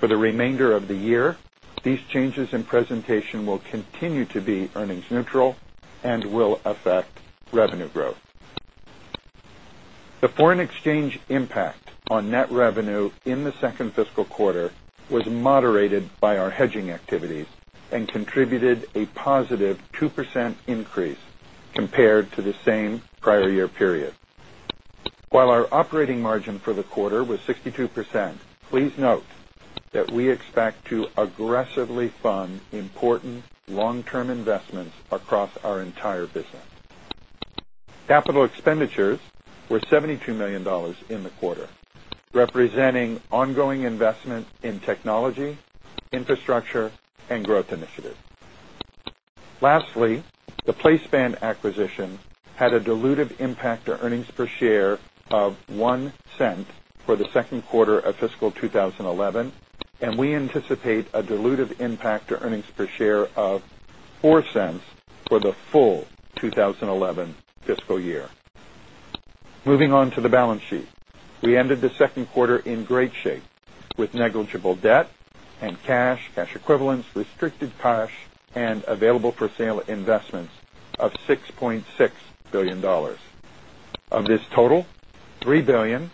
For the remainder of the year, these changes in presentation will continue to be earnings-neutral and will affect revenue growth. The foreign exchange impact on net revenue in the second fiscal quarter was moderated by our hedging activities and contributed a +2% increase compared to the same prior year period. While our operating margin for the quarter was 62%, please note that we expect to aggressively fund important long-term investments across our entire business. Capital expenditures were $72 million in the quarter, representing ongoing investment in technology, infrastructure, and growth initiatives. Lastly, the PlaySpan acquisition had a diluted impact to earnings per share of $0.01 for the second quarter of fiscal 2011, and we anticipate a diluted impact to earnings per share of $0.04 for the full 2011 fiscal year. Moving on to the balance sheet, we ended the second quarter in great shape with negligible debt and cash, cash equivalents, restricted cash, and available for sale investments of $6.6 billion. Of this total, $3 billion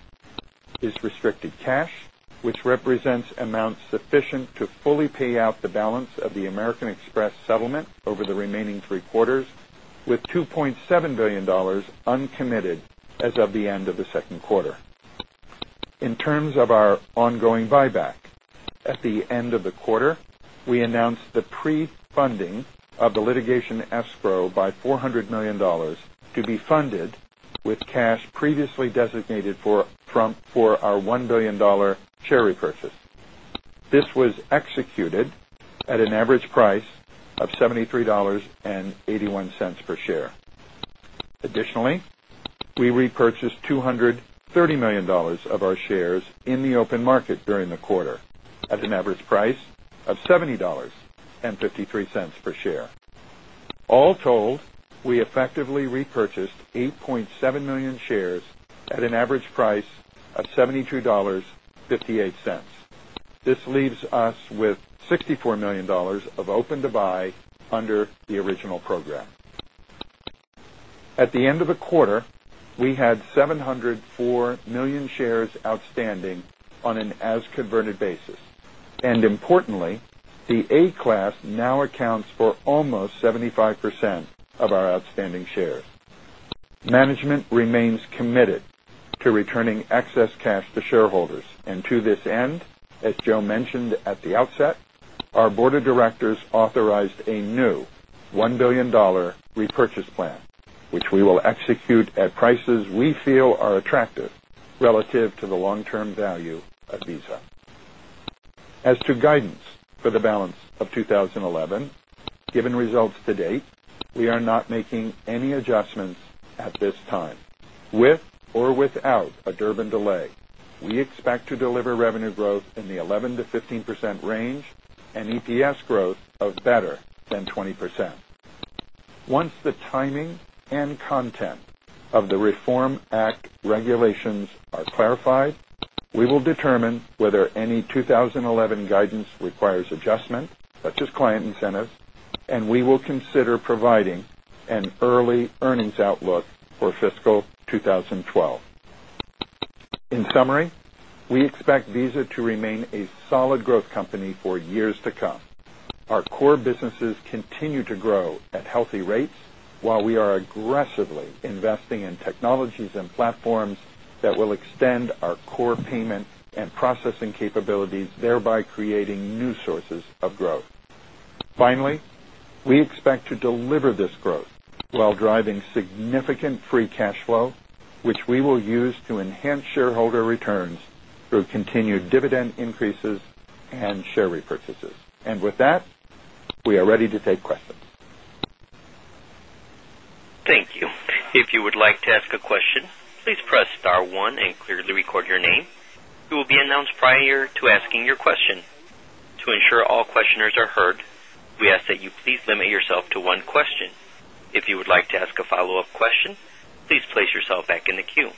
is restricted cash, which represents amounts sufficient to fully pay out the balance of the American Express settlement over the remaining three quarters, with $2.7 billion uncommitted as of the end of the second quarter. In terms of our ongoing buyback, at the end of the quarter, we announced the pre-funding of the litigation escrow by $400 million to be funded with cash previously designated for our $1 billion share repurchase. This was executed at an average price of $73.81 per share. Additionally, we repurchased $230 million of our shares in the open market during the quarter at an average price of $70.53 per share. All told, we effectively repurchased 8.7 million shares at an average price of $72.58. This leaves us with $64 million of open to buy under the original program. At the end of the quarter, we had 704 million shares outstanding on an as-converted basis. Importantly, the A-class now accounts for almost 75% of our outstanding shares. Management remains committed to returning excess cash to shareholders. To this end, as Joe mentioned at the outset, our Board of Directors authorized a new $1 billion repurchase plan, which we will execute at prices we feel are attractive relative to the long-term value of Visa. As to guidance for the balance of 2011, given results to date, we are not making any adjustments at this time. With or without a Durbin delay, we expect to deliver revenue growth in the 11%-15% range and EPS growth of better than 20%. Once the timing and content of the Reform Act regulations are clarified, we will determine whether any 2011 guidance requires adjustment, such as client incentives, and we will consider providing an early earnings outlook for fiscal 2012. In summary, we expect Visa to remain a solid growth company for years to come. Our core businesses continue to grow at healthy rates while we are aggressively investing in technologies and platforms that will extend our core payment and processing capabilities, thereby creating new sources of growth. Finally, we expect to deliver this growth while driving significant free cash flow, which we will use to enhance shareholder returns through continued dividend increases and share repurchases. With that, we are ready to take questions. Thank you. If you would like to ask a question, please press star one and clearly record your name. You will be announced prior to asking your question. To ensure all questioners are heard, we ask that you please limit yourself to one question. If you would like to ask a follow-up question, please place yourself back in the queue.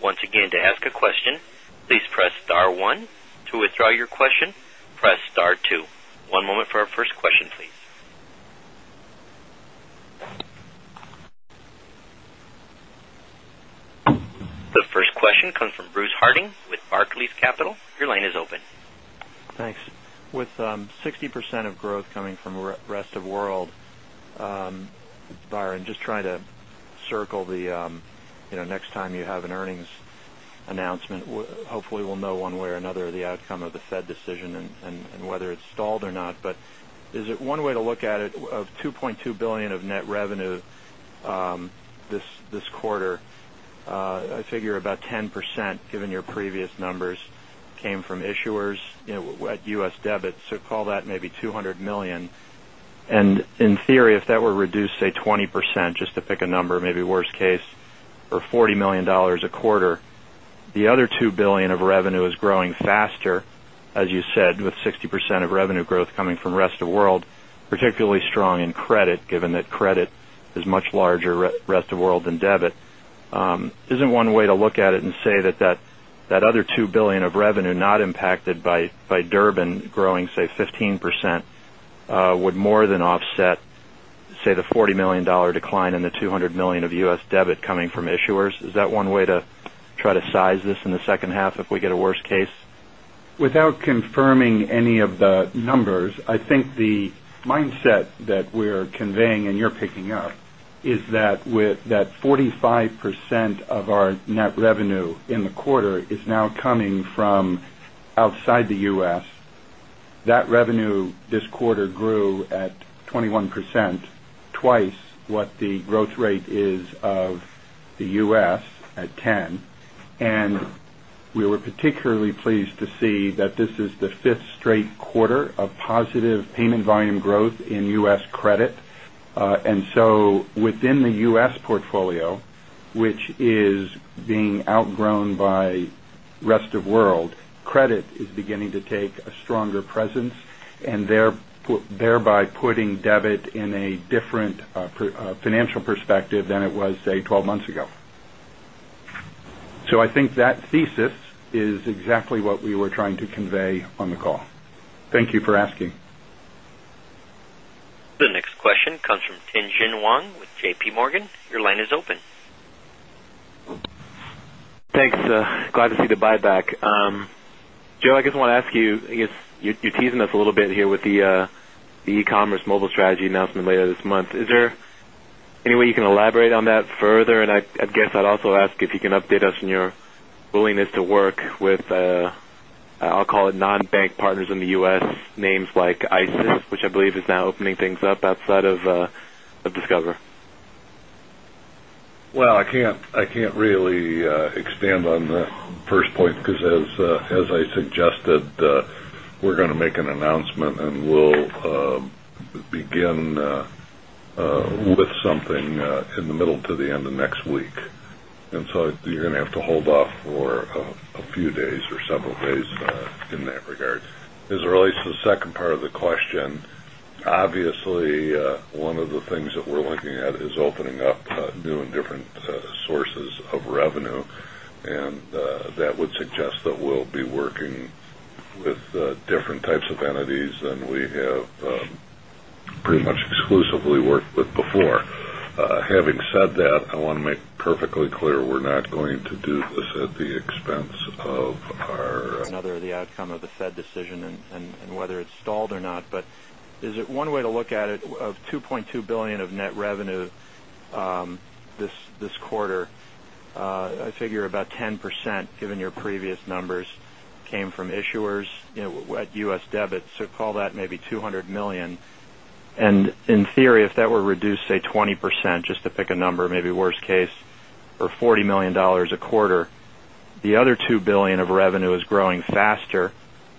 Once again, to ask a question, please press star one. To withdraw your question, press star two. One moment for our first question, please. The first question comes from Bruce Harting with Barclays Capital. Your line is open. Thanks. With 60% of growth coming from the rest of the world, Byron, just trying to circle the next time you have an earnings announcement, hopefully we'll know one way or another the outcome of the Fed decision and whether it's stalled or not. Is it one way to look at it of $2.2 billion of net revenue this quarter? I figure about 10%, given your previous numbers, came from issuers at US debits. Call that maybe $200 million. In theory, if that were reduced, say, 20%, just to pick a number, maybe worst case, or $40 million a quarter, the other $2 billion of revenue is growing faster, as you said, with 60% of revenue growth coming from the rest of the world, particularly strong in credit, given that credit is much larger in the rest of the world than debit. Isn't one way to look at it and say that that other $2 billion of revenue not impacted by Durbin growing, say, 15% would more than offset, say, the $40 million decline and the $200 million of US debit coming from issuers? Is that one way to try to size this in the second half if we get a worst case? Without confirming any of the numbers, I think the mindset that we're conveying and you're picking up is that 45% of our net revenue in the quarter is now coming from outside the U.S. That revenue this quarter grew at 21%, twice what the growth rate is of the U.S. at 10%. We were particularly pleased to see that this is the fifth straight quarter of positive payment volume growth in US credit. Within the US portfolio, which is being outgrown by the rest of the world, credit is beginning to take a stronger presence and thereby putting debit in a different financial perspective than it was, say, 12 months ago. I think that thesis is exactly what we were trying to convey on the call. Thank you for asking. The next question comes from Tien-Tsin Huang with JPMorgan. Your line is open. Thanks. Glad to see the buyback. Joe, I just want to ask you, I guess you're teasing us a little bit here with the e-commerce mobile strategy announcement later this month. Is there any way you can elaborate on that further? I'd also ask if you can update us on your willingness to work with, I'll call it non-bank partners in the U.S., names like ISIS, which I believe is now opening things up outside of Discover. I can't really expand on that first point because, as I suggested, we're going to make an announcement and we'll begin with something in the middle to the end of next week. You're going to have to hold off for a few days or several days in that regard. As it relates to the second part of the question, obviously, one of the things that we're looking at is opening up new and different sources of revenue. That would suggest that we'll be working with different types of entities than we have pretty much exclusively worked with before. Having said that, I want to make perfectly clear we're not going to do this at the expense of our. Another of the outcome of the Fed decision and whether it's stalled or not. Is it one way to look at it of $2.2 billion of net revenue this quarter? I figure about 10%, given your previous numbers, came from issuers at US debits. Call that maybe $200 million. In theory, if that were reduced, say, 20%, just to pick a number, maybe worst case, or $40 million a quarter, the other $2 billion of revenue is growing faster,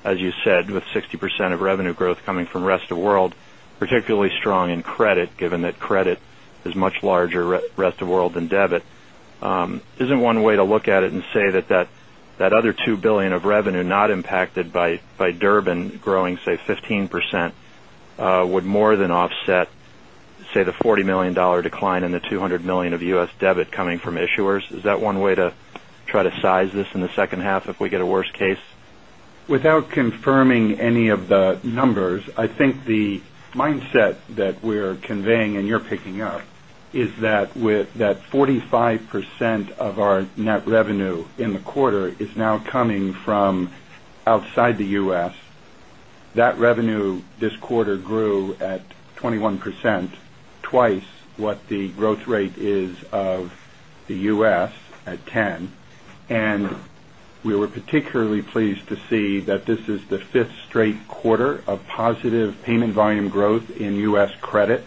as you said, with 60% of revenue growth coming from the rest of the world, particularly strong in credit, given that credit is much larger in the rest of the world than debit. Isn't one way to look at it and say that that other $2 billion of revenue not impacted by Durbin growing, say, 15% would more than offset, say, the $40 million decline and the $200 million of U.S. debit coming from issuers? Is that one way to try to size this in the second half if we get a worst case? Without confirming any of the numbers, I think the mindset that we're conveying and you're picking up is that 45% of our net revenue in the quarter is now coming from outside the U.S. That revenue this quarter grew at 21%, twice what the growth rate is of the U.S. at 10%. We were particularly pleased to see that this is the fifth straight quarter of positive payment volume growth in US credit.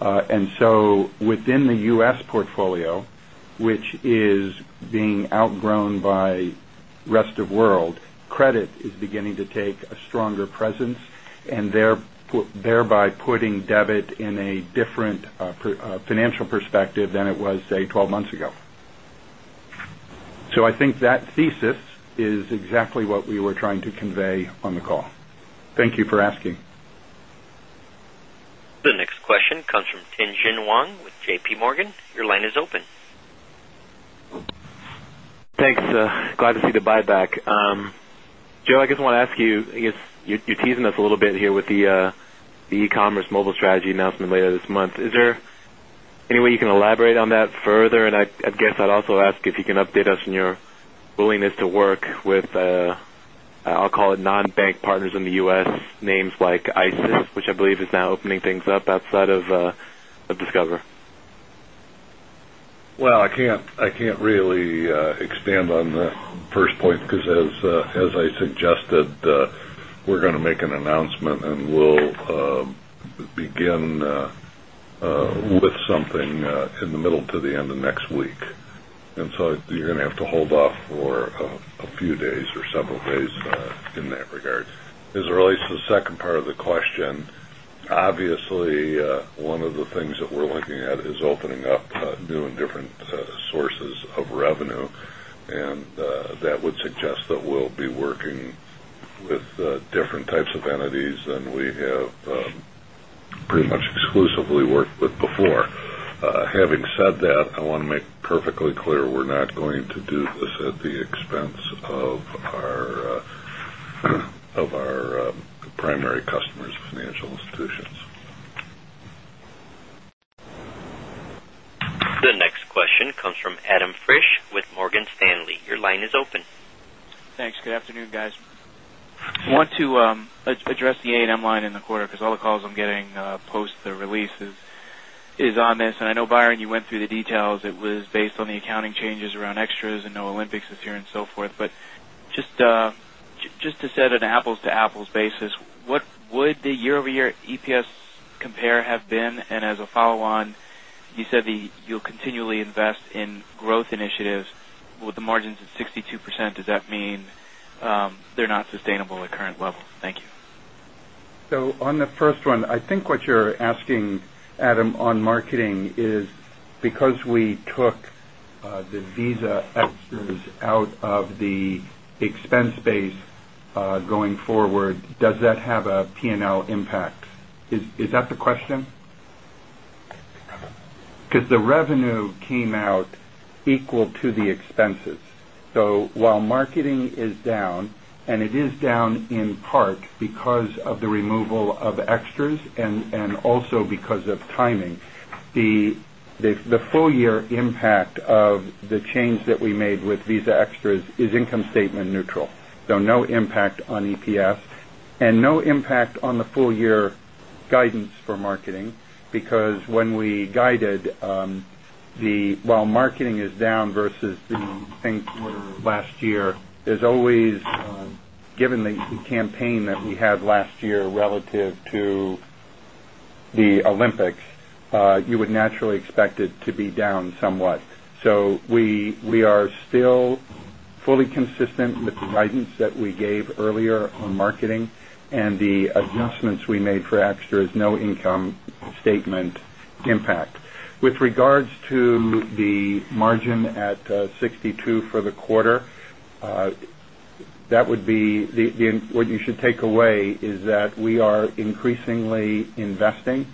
Within the US portfolio, which is being outgrown by the rest of the world, credit is beginning to take a stronger presence and thereby putting debit in a different financial perspective than it was, say, 12 months ago. I think that thesis is exactly what we were trying to convey on the call. Thank you for asking. The next question comes from Tien-Tsin Huang with JPMorgan. Your line is open. Thanks. Glad to see the buyback. Joe, I just want to ask you, I guess you're teasing us a little bit here with the e-commerce mobile strategy announcement later this month. Is there any way you can elaborate on that further? I'd also ask if you can update us on your willingness to work with, I'll call it non-bank partners in the U.S., names like Isis, which I believe is now opening things up outside of Discover. I can't really expand on that first point because, as I suggested, we're going to make an announcement and we'll begin with something in the middle to the end of next week. You're going to have to hold off for a few days or several days in that regard. As it relates to the second part of the question, obviously, one of the things that we're looking at is opening up new and different sources of revenue. That would suggest that we'll be working with different types of entities than we have pretty much exclusively worked with before. Having said that, I want to make perfectly clear we're not going to do this at the expense of our primary customers, financial institutions. The next question comes from Adam Frisch with Morgan Stanley. Your line is open. Thanks. Good afternoon, guys. I want to address the A&M line in the quarter because all the calls I'm getting post the release is on this. I know, Byron, you went through the details. It was based on the accounting changes around extras and no Olympics this year and so forth. Just to set an apples-to-apples basis, what would the year-over-year EPS compare have been? As a follow-on, you said that you'll continually invest in growth initiatives. With the margins at 62%, does that mean they're not sustainable at current levels? Thank you. I think what you're asking, Adam, on marketing is because we took the Visa extras out of the expense space going forward, does that have a P&L impact? Is that the question? Because The revenue came out equal to the expenses. While marketing is down, and it is down in part because of the removal of extras and also because of timing, the full-year impact of the change that we made with Visa extras is income statement neutral. No impact on EPS and no impact on the full-year guidance for marketing because when we guided, while marketing is down versus the same quarter of last year, given the campaign that we had last year relative to the Olympics, you would naturally expect it to be down somewhat. We are still fully consistent with the guidance that we gave earlier on marketing and the adjustments we made for extras, no income statement impact. With regards to the margin at 62% for the quarter, what you should take away is that we are increasingly investing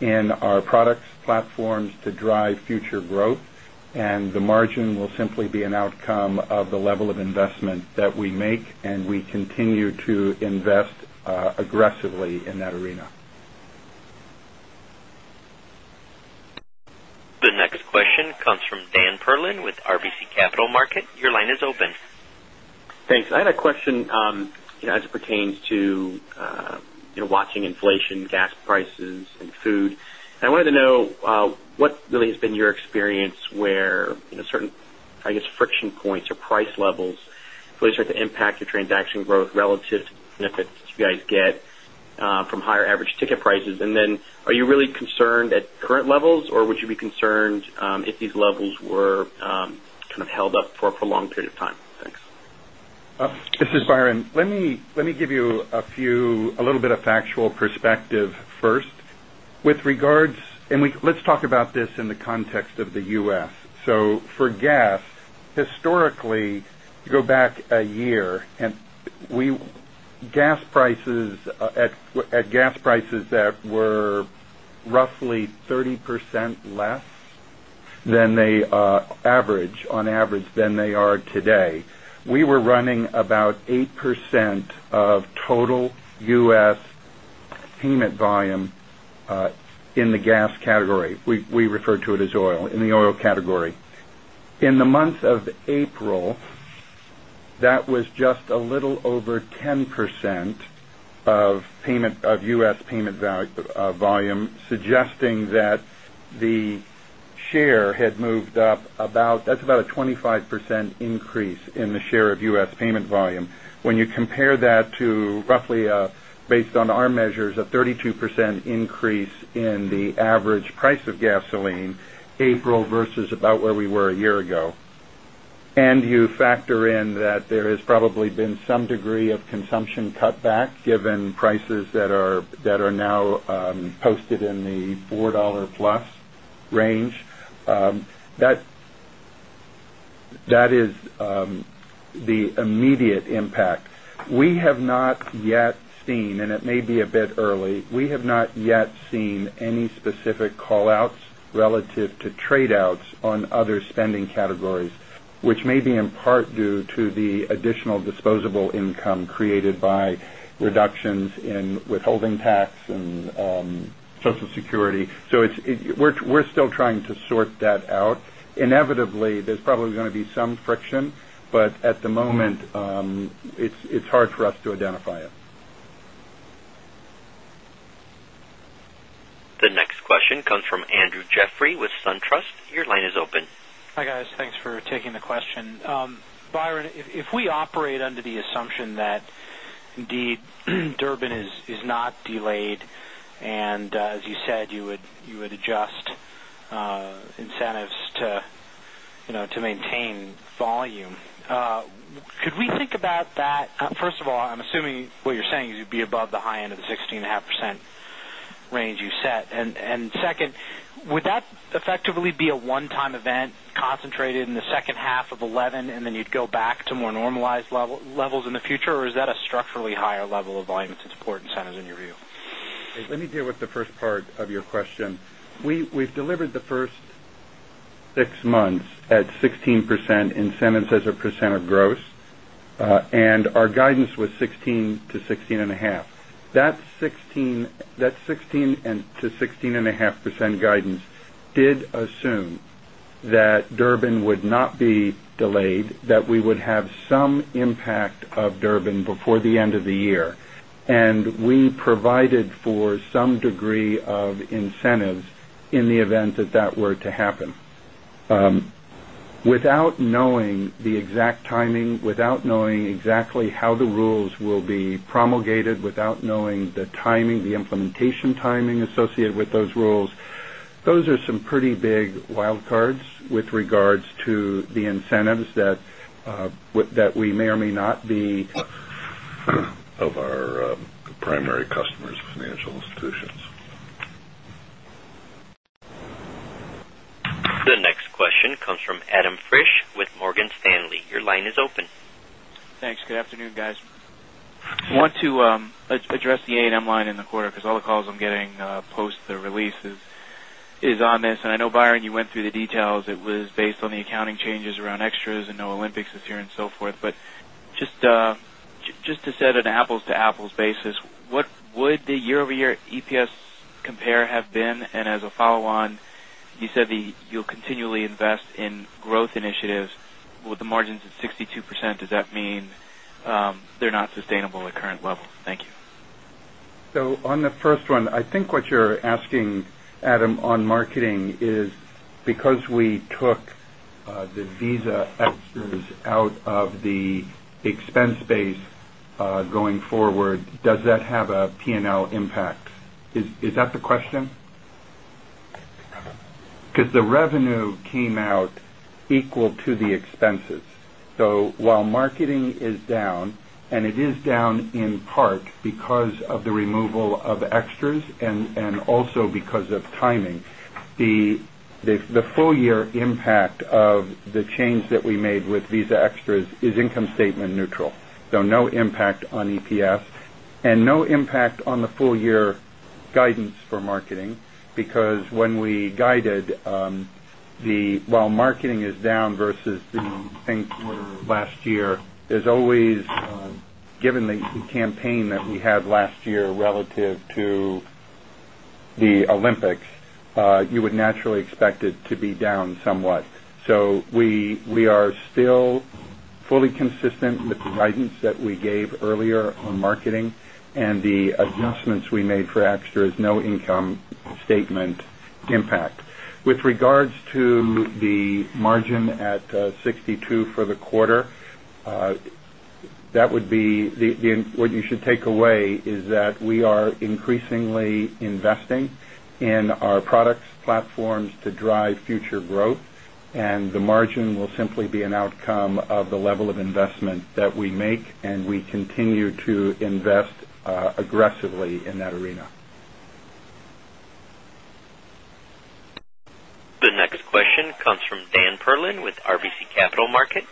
in our products and platforms to drive future growth, and the margin will simply be an outcome of the level of investment that we make. We continue to invest aggressively in that arena. The next question comes from Dan Perlin with RBC Capital Markets.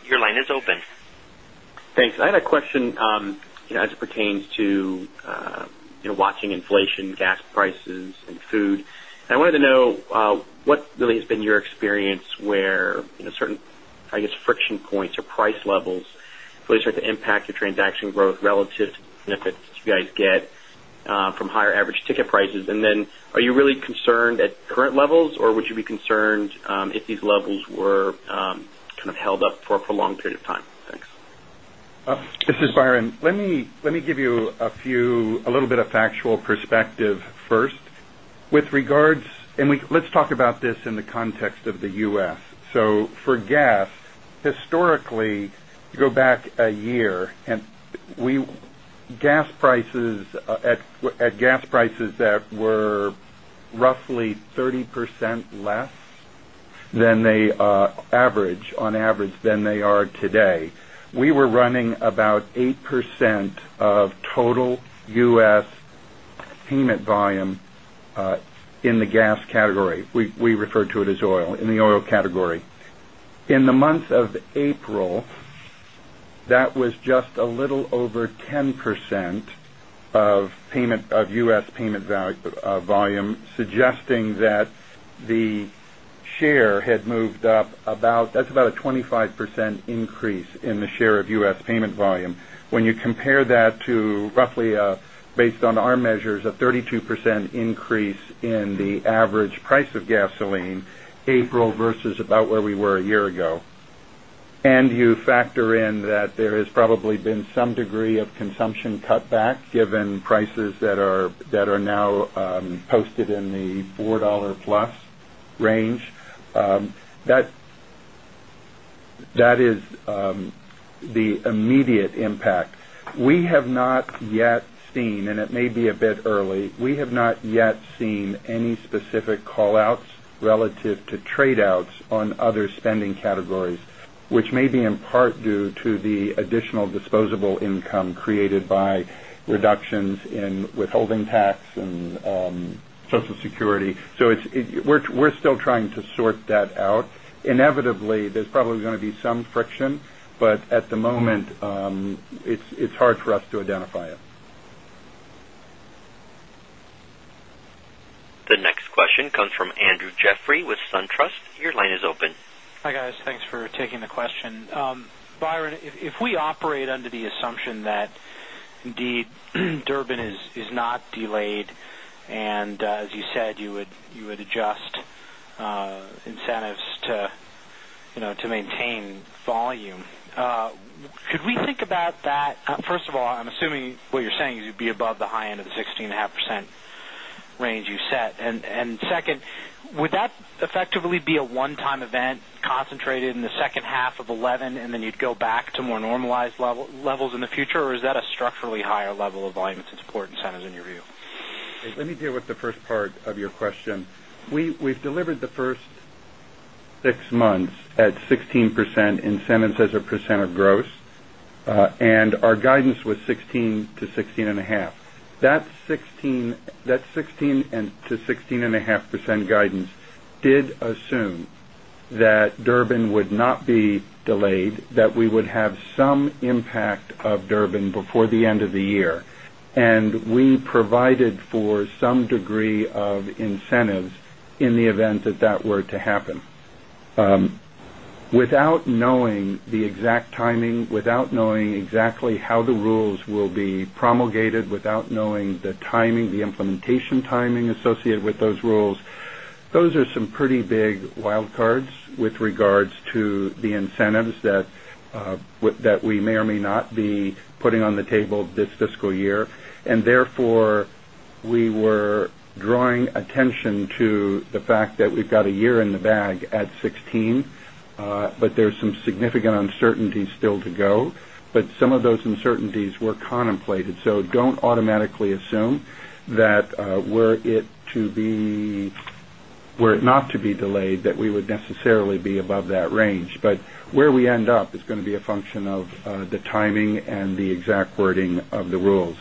Your line is open. Thanks. I had a question as it pertains to watching inflation, gas prices, and food. I wanted to know what really has been your experience where certain, I guess, friction points or price levels really start to impact your transaction growth relative to benefits you guys get from higher average ticket prices. Are you really concerned at current levels, or would you be concerned if these levels were kind of held up for a prolonged period of time? Thanks. This is Byron. Let me give you a little bit of factual perspective first. With regards, and let's talk about this in the context of the U.S. For gas, historically, you go back a year and gas prices were roughly 30% less on average than they are today. We were running about 8% of total US payment volume in the gas category. We refer to it as oil, in the oil category. In the month of April, that was just a little over 10% of US payment volume, suggesting that the share had moved up about, that's about a 25% increase in the share of US payment volume. When you compare that to roughly, based on our measures, a 32% increase in the average price of gasoline April versus about where we were a year ago, and you factor in that there has probably been some degree of consumption cutback given prices that are now posted in the $4+ range, that is the immediate impact. We have not yet seen, and it may be a bit early, we have not yet seen any specific callouts relative to tradeouts on other spending categories, which may be in part due to the additional disposable income created by reductions in withholding tax and Social Security. We're still trying to sort that out. Inevitably, there's probably going to be some friction, but at the moment, it's hard for us to identify it. The next question comes from Andrew Jeffrey with SunTrust. Your line is open. Hi, guys. Thanks for taking the question. Byron, if we operate under the assumption that indeed Durbin is not delayed and, as you said, you would adjust incentives to, you know, to maintain volume, could we think about that? First of all, I'm assuming what you're saying is you'd be above the high end of the 16.5% range you set. Second, would that effectively be a one-time event concentrated in the second half of 2011, and then you'd go back to more normalized levels in the future, or is that a structurally higher level of volume since it's pure incentives in your view? Let me deal with the first part of your question. We've delivered the first six months at 16% incentives as a percent of gross, and our guidance was 16%-16.5%. Without knowing the exact timing, without knowing exactly how the rules will be promulgated, without knowing the timing, the implementation timing associated with those rules, those are some pretty big wildcards with regards to the incentives that we may or may not be putting on the table this fiscal year. Therefore, we were drawing attention to the fact that we've got a year in the bag at 16%, but there's some significant uncertainty still to go. Some of those uncertainties were contemplated. Don't automatically assume that, were it to be, were it not to be delayed, that we would necessarily be above that range. Where we end up is going to be a function of the timing and the exact wording of the rules.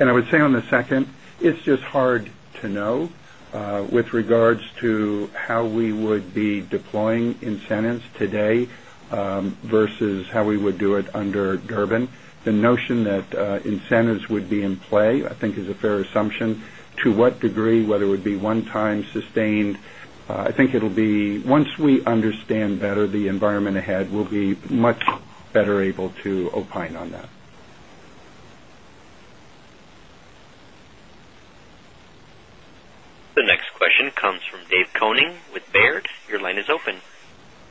I would say on the second, it's just hard to know, with regards to how we would be deploying incentives today versus how we would do it under Durbin. The notion that incentives would be in play, I think, is a fair assumption. To what degree, whether it would be one-time, sustained, I think it'll be once we understand better the environment ahead, we'll be much better able to opine on that. The next question comes from Dave Koning with Baird. Your line is open.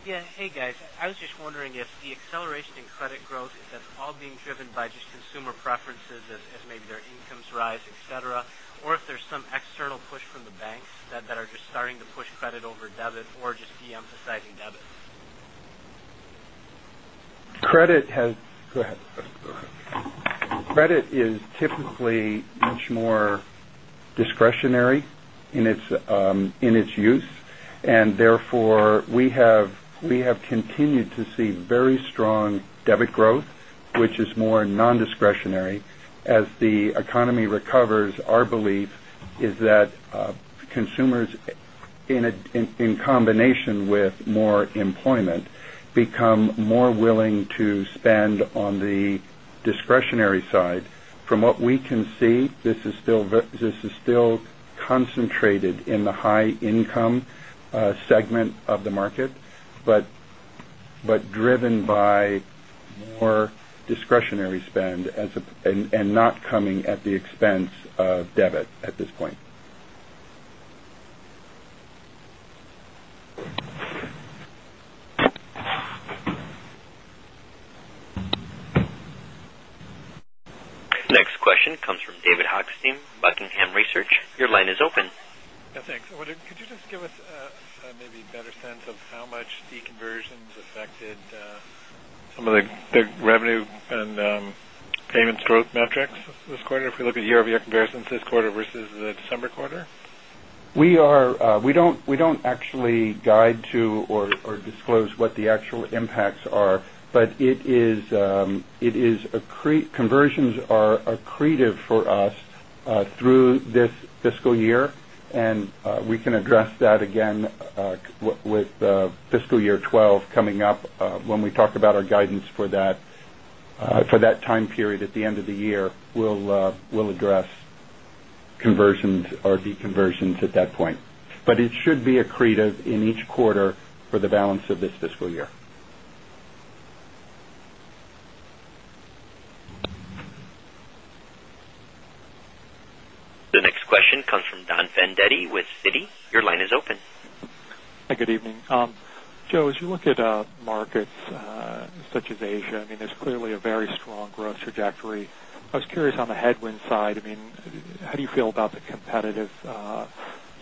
Yeah. Hey, guys. I was just wondering if the acceleration in credit growth is at all being driven by just consumer preferences as maybe their incomes rise, etc., or if there's some external push from the banks that are just starting to push credit over debit or just deemphasizing debit? Credit is typically much more discretionary in its use. Therefore, we have continued to see very strong debit growth, which is more non-discretionary. As the economy recovers, our belief is that consumers, in combination with more employment, become more willing to spend on the discretionary side. From what we can see, this is still concentrated in the high-income segment of the market, but driven by more discretionary spend and not coming at the expense of debit at this point. Next question comes from David Hochstim, Buckingham Research. Your line is open. Yeah, thanks. I wondered, could you just give us maybe a better sense of how much the conversions affected some of the revenue and payments growth metrics this quarter if we look at year-over-year comparisons this quarter versus the December quarter? We don't actually guide to or disclose what the actual impacts are, but conversions are accretive for us through this fiscal year. We can address that again with fiscal year 2012 coming up, when we talk about our guidance for that time period at the end of the year. We'll address conversions or deconversions at that point. It should be accretive in each quarter for the balance of this fiscal year. The next question comes from Don Fandetti with Citi. Your line is open. Hi, good evening. Joe, as you look at markets such as Asia, I mean, there's clearly a very strong growth trajectory. I was curious on the headwind side. I mean, how do you feel about the competitive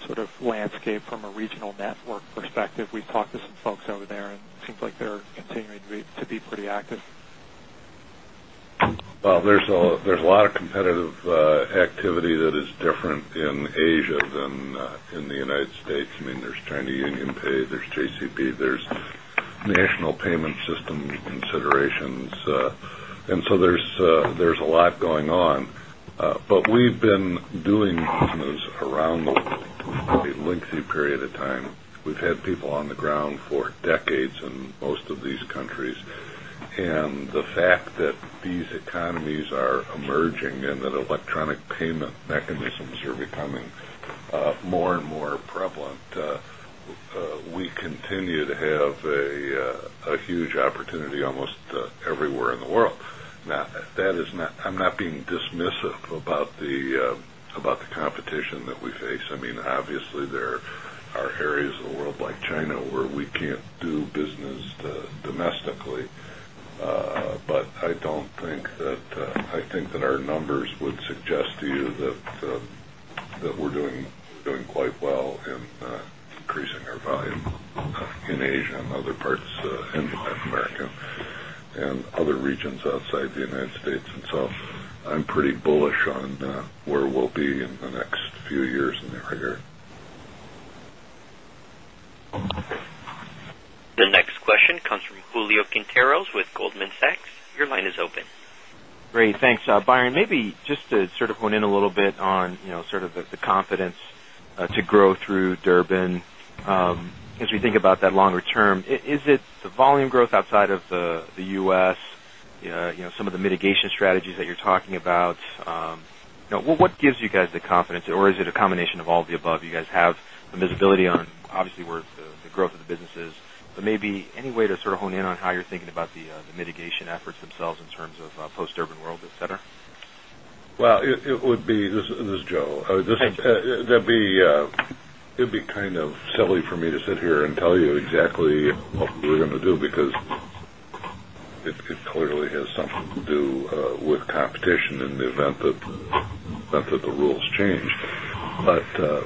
sort of landscape from a regional network perspective? We've talked to some folks over there, and it seems like they're continuing to be pretty active. There is a lot of competitive activity that is different in Asia than in the United States. I mean, there is China UnionPay, there is JCB, there are national payment system considerations, and so there is a lot going on. We have been doing business around the area for a lengthy period of time. We have had people on the ground for decades in most of these countries. The fact that these economies are emerging and that electronic payment mechanisms are becoming more and more prevalent, we continue to have a huge opportunity almost everywhere in the world. I am not being dismissive about the competition that we face. I mean, obviously, there are areas of the world like China where we cannot do business domestically. I do not think that our numbers would suggest to you that we are doing quite well in increasing our volume in Asia and other parts of Latin America and other regions outside the United States. I am pretty bullish on where we will be in the next few years in the area. The next question comes from Julio Quinteros with Goldman Sachs. Your line is open. Great. Thanks. Byron, maybe just to sort of hone in a little bit on the confidence to grow through Durbin, as we think about that longer term, is it the volume growth outside of the U.S., some of the mitigation strategies that you're talking about? What gives you guys the confidence, or is it a combination of all of the above? You guys have a visibility on, obviously, where the growth of the business is, but maybe any way to sort of hone in on how you're thinking about the mitigation efforts themselves in terms of post-Durbin world, etc.? This is Joe. It would be kind of silly for me to sit here and tell you exactly what we were going to do because it clearly has something to do with competition in the event that the rules change.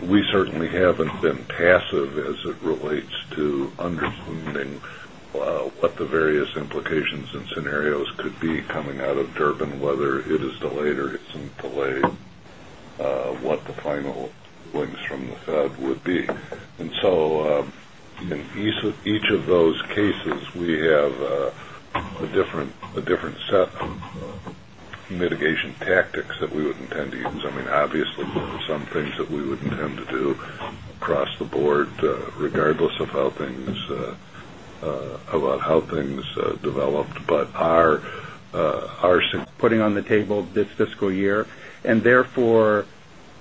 We certainly haven't been passive as it relates to understanding what the various implications and scenarios could be coming out of the Durbin, whether it is delayed or it's not delayed, what the final wins from the Fed would be. In each of those cases, we have a different set of mitigation tactics that we would intend to use. Obviously, there are some things that we would intend to do across the board, regardless of how things developed. Our, our. Putting on the table this fiscal year. Therefore,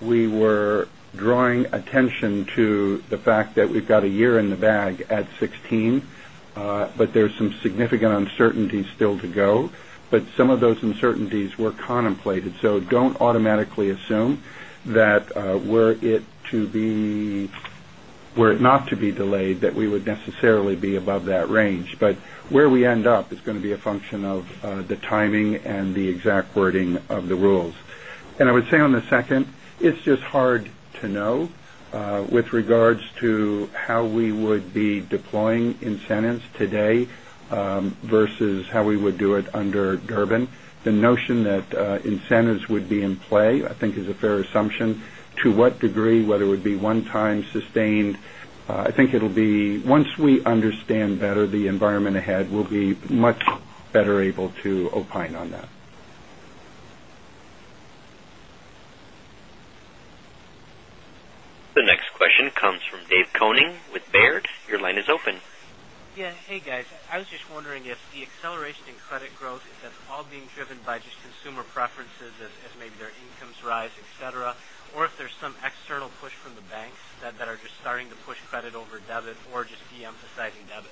we were drawing attention to the fact that we've got a year in the bag at 16, but there's some significant uncertainty still to go. Some of those uncertainties were contemplated. Do not automatically assume that, were it to be, were it not to be delayed, we would necessarily be above that range. Where we end up is going to be a function of the timing and the exact wording of the rules. I would say on the second, it's just hard to know, with regards to how we would be deploying incentives today versus how we would do it under Durbin. The notion that incentives would be in play, I think, is a fair assumption. To what degree, whether it would be one-time or sustained, I think it'll be once we understand better the environment ahead, we'll be much better able to opine on that. The next question comes from Dave Koning with Baird. Your line is open. Yeah. Hey, guys. I was just wondering if the acceleration in credit growth is at all being driven by just consumer preferences as maybe their incomes rise, etc., or if there's some external push from the banks that are just starting to push credit over debit or just deemphasizing debit.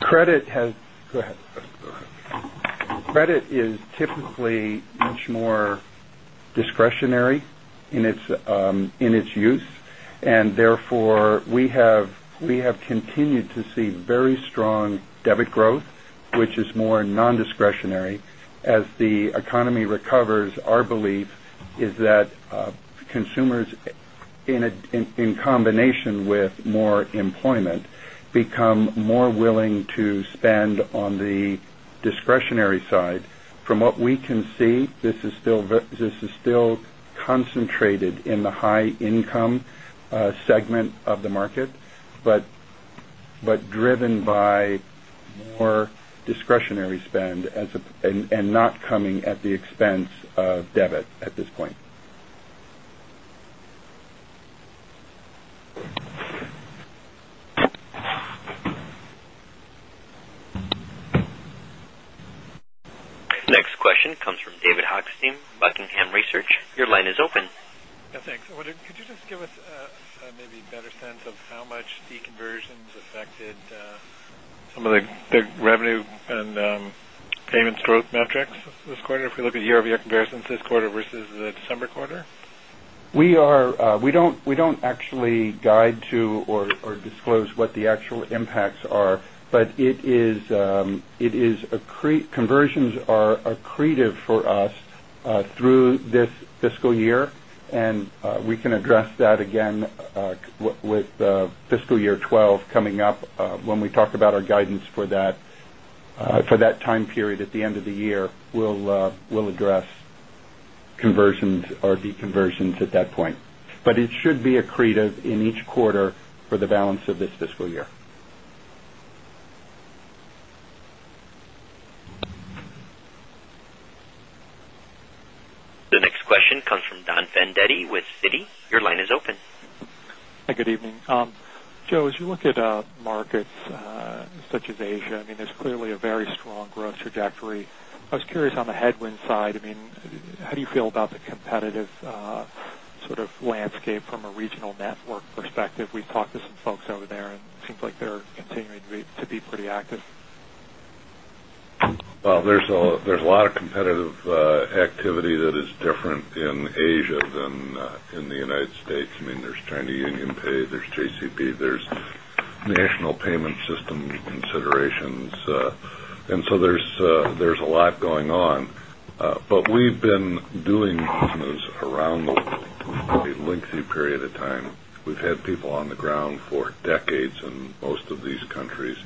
Credit is typically much more discretionary in its use. Therefore, we have continued to see very strong debit growth, which is more non-discretionary. As the economy recovers, our belief is that consumers, in combination with more employment, become more willing to spend on the discretionary side. From what we can see, this is still concentrated in the high-income segment of the market, but driven by more discretionary spend and not coming at the expense of debit at this point. Next question comes from David Hochstim, Buckingham Research. Your line is open. Yeah, thanks. I wondered, could you just give us maybe a better sense of how much the conversions affected some of the revenue and payments growth metrics this quarter if we look at year-over-year comparisons this quarter versus the December quarter? We don't actually guide to or disclose what the actual impacts are, but conversions are accretive for us through this fiscal year. We can address that again, with fiscal year 2012 coming up, when we talk about our guidance for that time period at the end of the year. We'll address conversions or deconversions at that point. It should be accretive in each quarter for the balance of this fiscal year. The next question comes from Don Fandetti with Citi. Your line is open. Hi, good evening. Joe, as you look at markets such as Asia, I mean, there's clearly a very strong growth trajectory. I was curious on the headwind side. I mean, how do you feel about the competitive sort of landscape from a regional network perspective? We've talked to some folks over there, and it seems like they're continuing to be pretty active. There is a lot of competitive activity that is different in Asia than in the United States. I mean, there is China UnionPay, there is JCB, there are national payment system considerations, and so there is a lot going on. We have been doing business around the area for a lengthy period of time. We have had people on the ground for decades in most of these countries.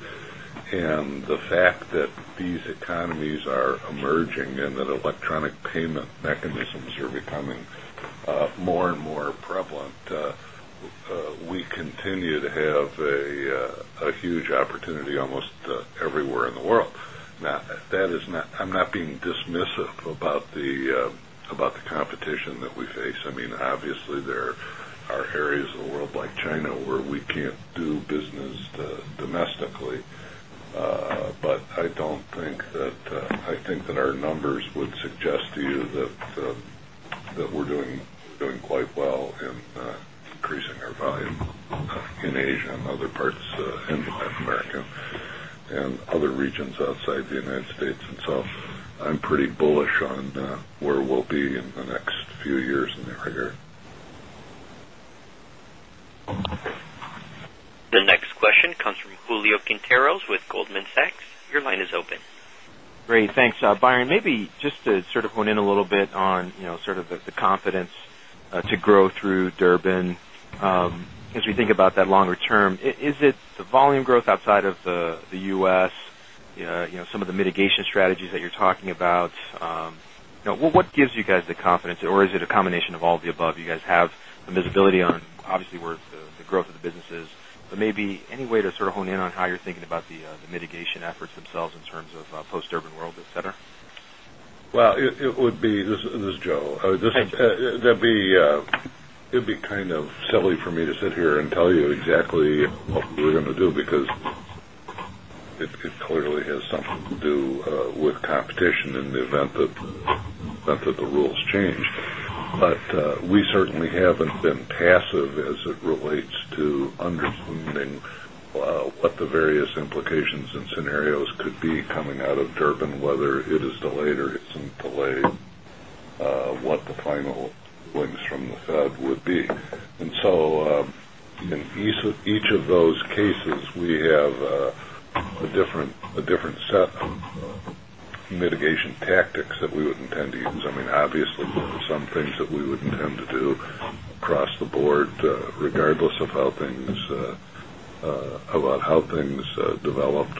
The fact that these economies are emerging and that electronic payment mechanisms are becoming more and more prevalent, we continue to have a huge opportunity almost everywhere in the world. I am not being dismissive about the competition that we face. Obviously, there are areas of the world like China where we cannot do business domestically. I think that our numbers would suggest to you that we are doing quite well in increasing our volume in Asia and other parts, in Latin America and other regions outside the United States. I am pretty bullish on where we will be in the next few years in the area. The next question comes from Julio Quinteros with Goldman Sachs. Your line is open. Great. Thanks. Byron, maybe just to sort of hone in a little bit on the confidence to grow through Durbin, as we think about that longer term, is it the volume growth outside of the U.S., some of the mitigation strategies that you're talking about? What gives you guys the confidence, or is it a combination of all of the above? You guys have a visibility on, obviously, where the growth of the business is, but maybe any way to sort of hone in on how you're thinking about the mitigation efforts themselves in terms of post-Durbin world, etc.? It would be, this is Joe. It'd be kind of silly for me to sit here and tell you exactly what we're going to do because it clearly has something to do with competition in the event that the rules change. We certainly haven't been passive as it relates to understanding what the various implications and scenarios could be coming out of Durbin, whether it is delayed or it's not delayed, what the final wins from the Fed would be. In each of those cases, we have a different set of mitigation tactics that we would intend to use. Obviously, there are some things that we would intend to do across the board, regardless of how things developed.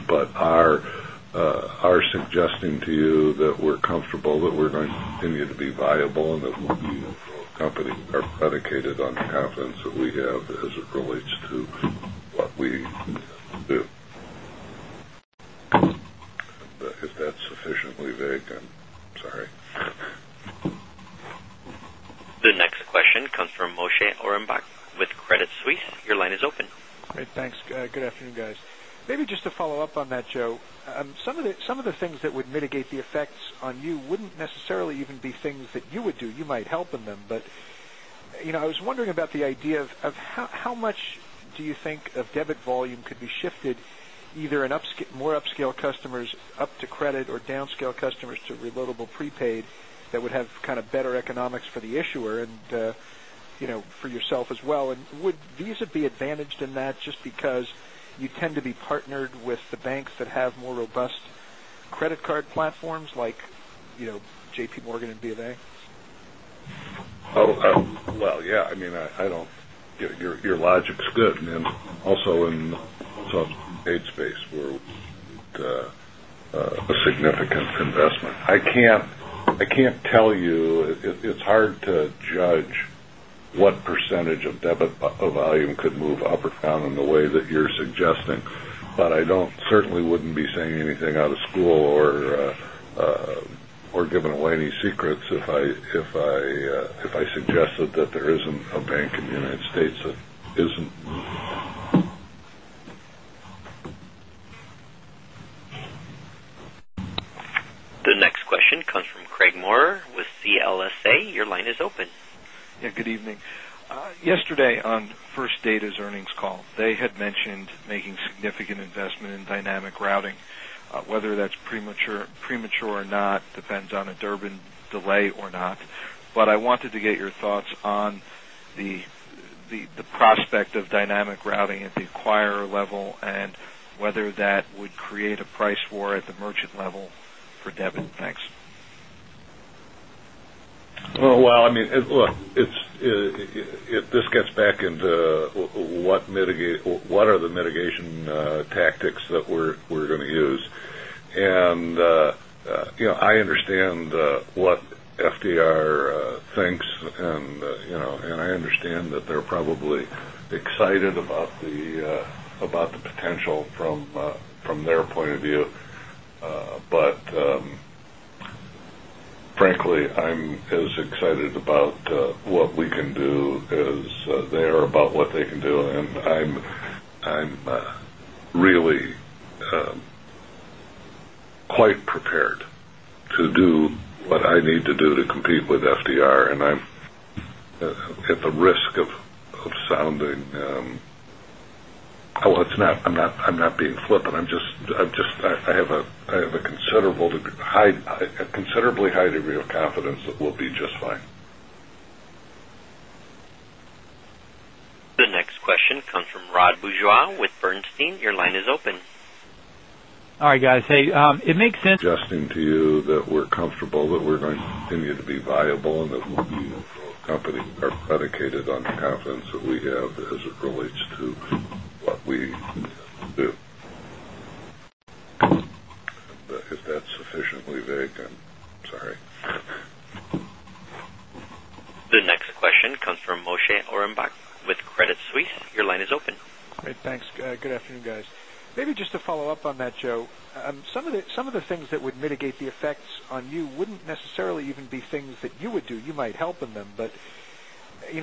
Our suggestion to you that we're comfortable that we're going to continue to be viable and that we as a company are predicated on the confidence that we have as it relates to what we do. Is that sufficiently vague? I'm sorry. The next question comes from Moshe Orenbuch with Credit Suisse. Your line is open. All right. Thanks. Good afternoon, guys. Maybe just to follow up on that, Joe, some of the things that would mitigate the effects on you wouldn't necessarily even be things that you would do. You might help in them.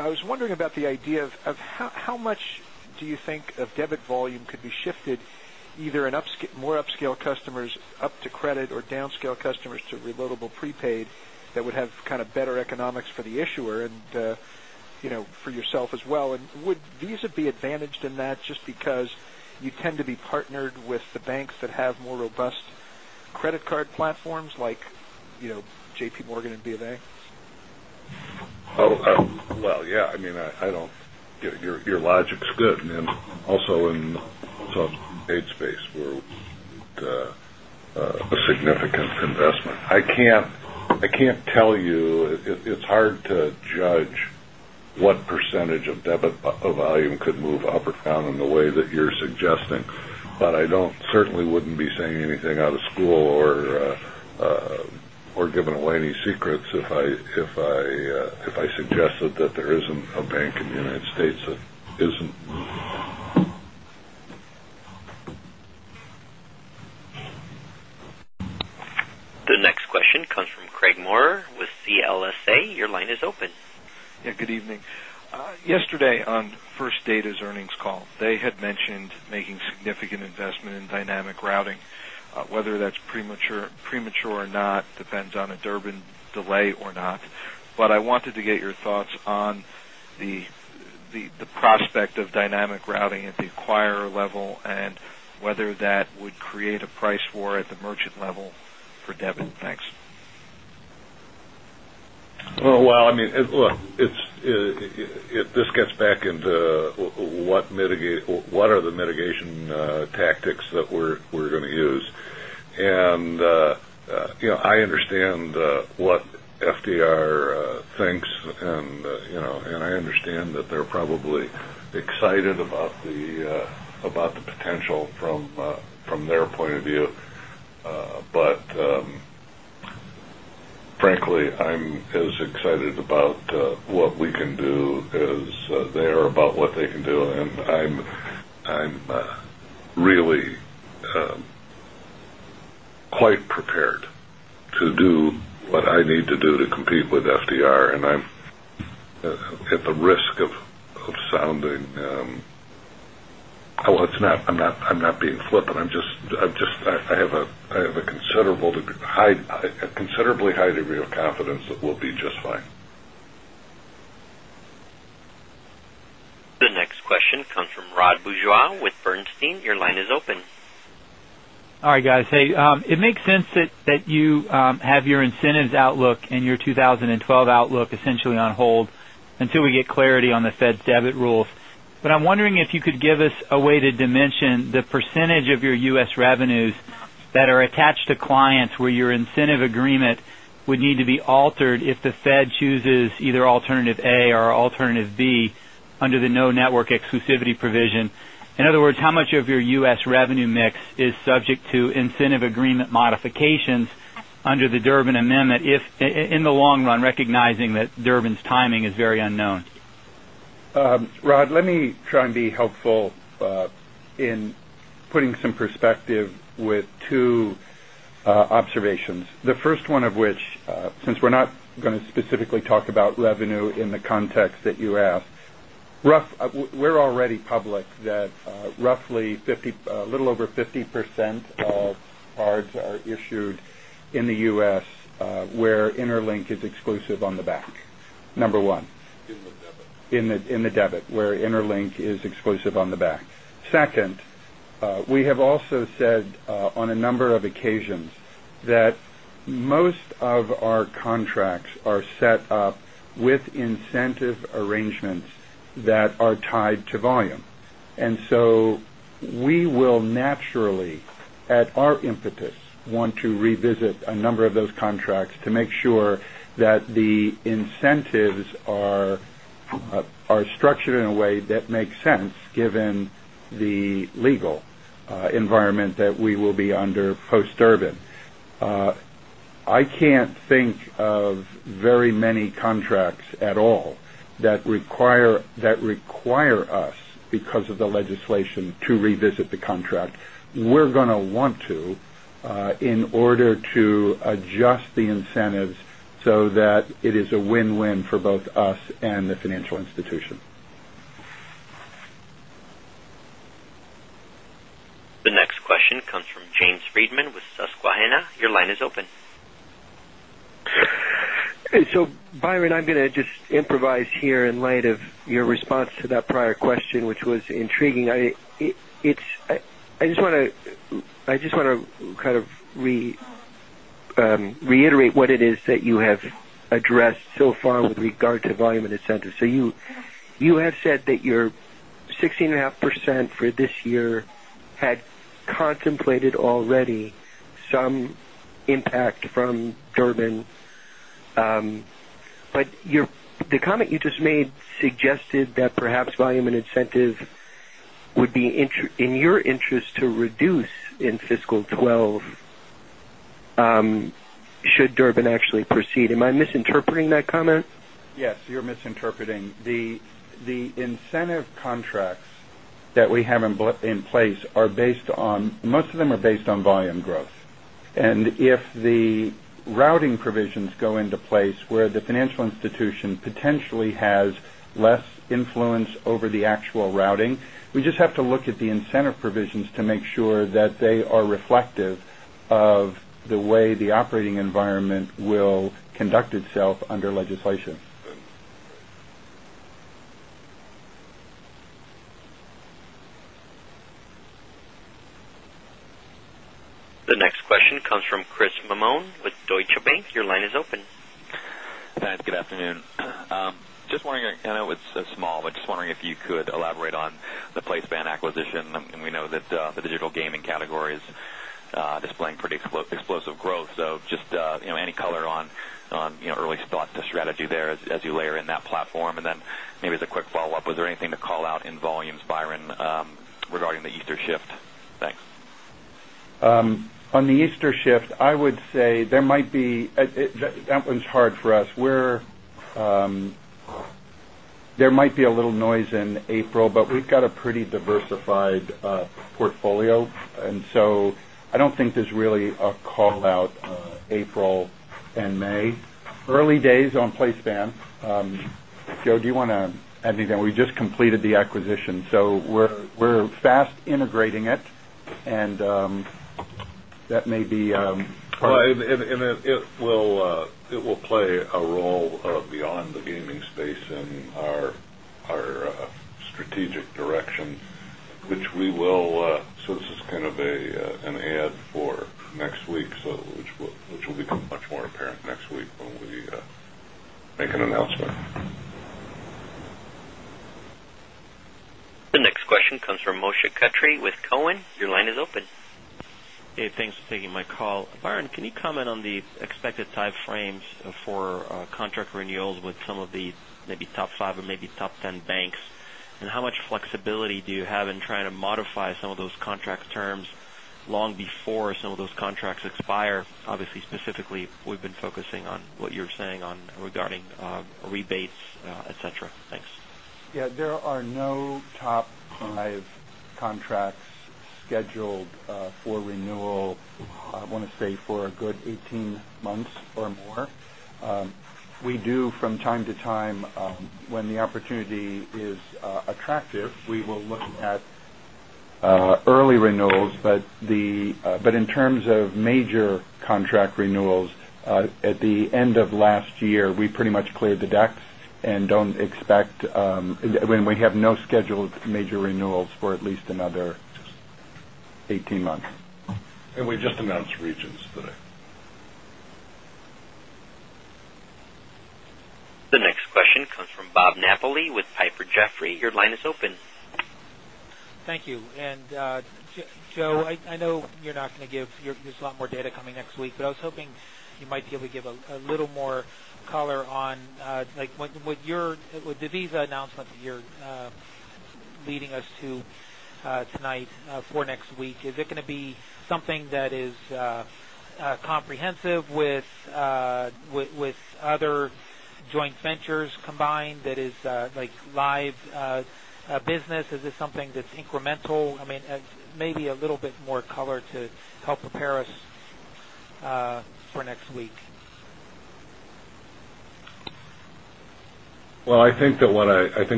I was wondering about the idea of how much do you think of debit volume could be shifted either in more upscale customers up to credit or downscale customers to reloadable prepaid that would have kind of better economics for the issuer and for yourself as well? Would Visa be advantaged in that just because you tend to be partnered with the banks that have more robust credit card platforms like JPMorgan and BofA? Oh, yeah. I mean, your logic's good. Also, in some aid space, we're a significant investment. I can't tell you it's hard to judge what percentage of debit volume could move up or down in the way that you're suggesting. I certainly wouldn't be saying anything out of school or giving away any secrets if I suggested that there isn't a bank in the United States that isn't. The next question comes from Craig Maurer with CLSA. Your line is open. Yeah, good evening. Yesterday on First Data's earnings call, they had mentioned making significant investment in dynamic routing. Whether that's premature or not depends on a Durbin delay or not. I wanted to get your thoughts on the prospect of dynamic routing at the acquirer level and whether that would create a price war at the merchant level for debit. Thanks. I mean, look, if this gets back into what are the mitigation tactics that we're going to use? I understand what FDR thinks, and I understand that they're probably excited about the potential from their point of view. Frankly, I'm as excited about what we can do as they are about what they can do. I'm really quite prepared to do what I need to do to compete with FDR. At the I'm wondering if you could give us a way to dimension the percentage of your US revenues that are attached to clients where your incentive agreement would need to be altered if the Fed chooses either alternative A or alternative B under the no network exclusivity provision. In other words, how much of your US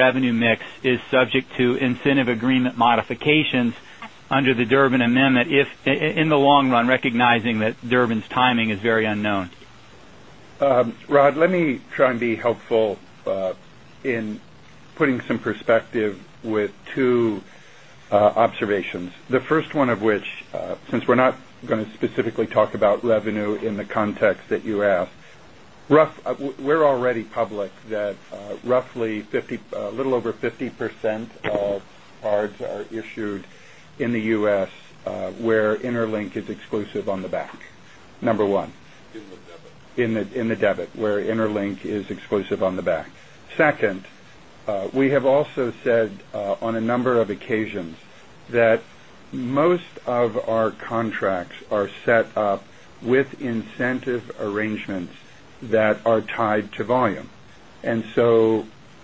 revenue mix is subject to incentive agreement modifications under the Durbin Amendment in the long run, recognizing that Durbin's timing is very unknown? Rod, let me try and be helpful in putting some perspective with two observations. The first one of which, since we're not going to specifically talk about revenue in the context that you asked, we're already public that roughly 50%, a little over 50% of cards are issued in the U.S., where Interlink is exclusive on the back. Number one. In the debit. In the debit, where Interlink is exclusive on the back. Second, we have also said on a number of occasions that most of our contracts are set up with incentive arrangements that are tied to volume.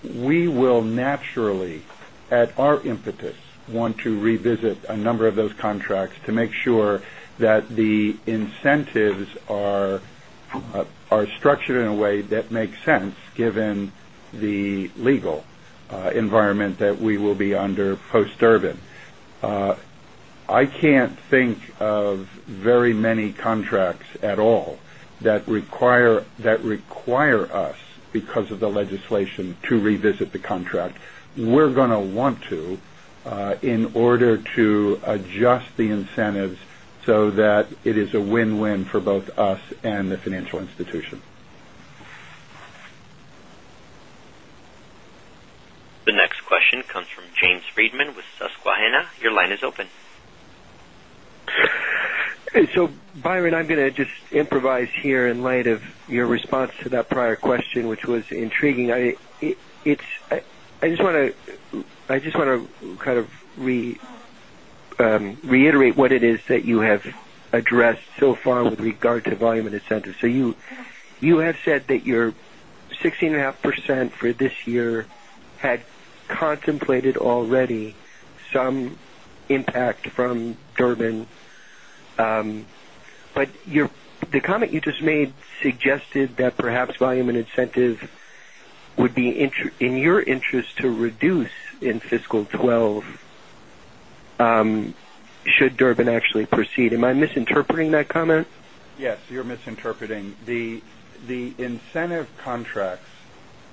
We will naturally, at our impetus, want to revisit a number of those contracts to make sure that the incentives are structured in a way that makes sense given the legal environment that we will be under post-Durbin. I can't think of very many contracts at all that require us, because of the legislation, to revisit the contract. We're going to want to, in order to adjust the incentives so that it is a win-win for both us and the financial institution. The next question comes from James Friedman with Susquehanna. Your line is open. Byron, I'm going to improvise here in light of your response to that prior question, which was intriguing. I just want to kind of reiterate what it is that you have addressed so far with regard to volume and incentives. You have said that your 16.5% for this year had contemplated already some impact from Durbin. The comment you just made suggested that perhaps volume and incentive would be in your interest to reduce in fiscal 2012 should Durbin actually proceed. Am I misinterpreting that comment? Yes, you're misinterpreting. The incentive contracts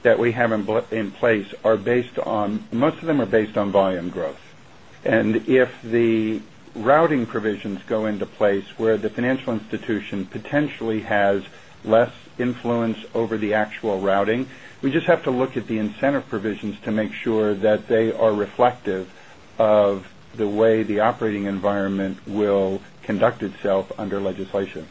that we have in place are based on most of them are based on volume growth. If the routing provisions go into place where the financial institution potentially has less influence over the actual routing, we just have to look at the incentive provisions to make sure that they are reflective of the way the operating environment will conduct itself under legislation.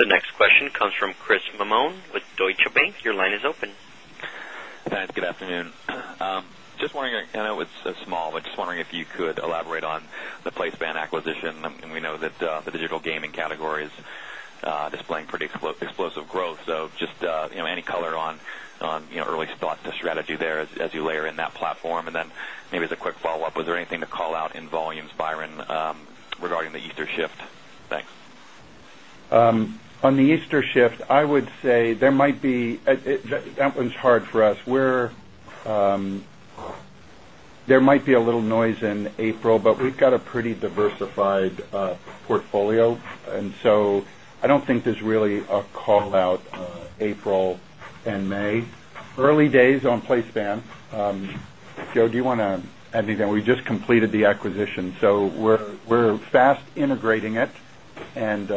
The next question comes from Chris Mammone with Deutsche Bank. Your line is open. Good afternoon. Just wondering, I know it's so small, but just wondering if you could elaborate on the PlaySpan acquisition. We know that the digital gaming category is displaying pretty explosive growth. Just any color on early thought to strategy there as you layer in that platform. Maybe as a quick follow-up, was there anything to call out in volumes, Byron, regarding the Easter shift? Thanks. On the Easter shift, I would say there might be, that one's hard for us. There might be a little noise in April, but we've got a pretty diversified portfolio. I don't think there's really a call out April and May. Early days on PlaySpan. Joe, do you want to add anything? We just completed the acquisition. We're fast integrating it, and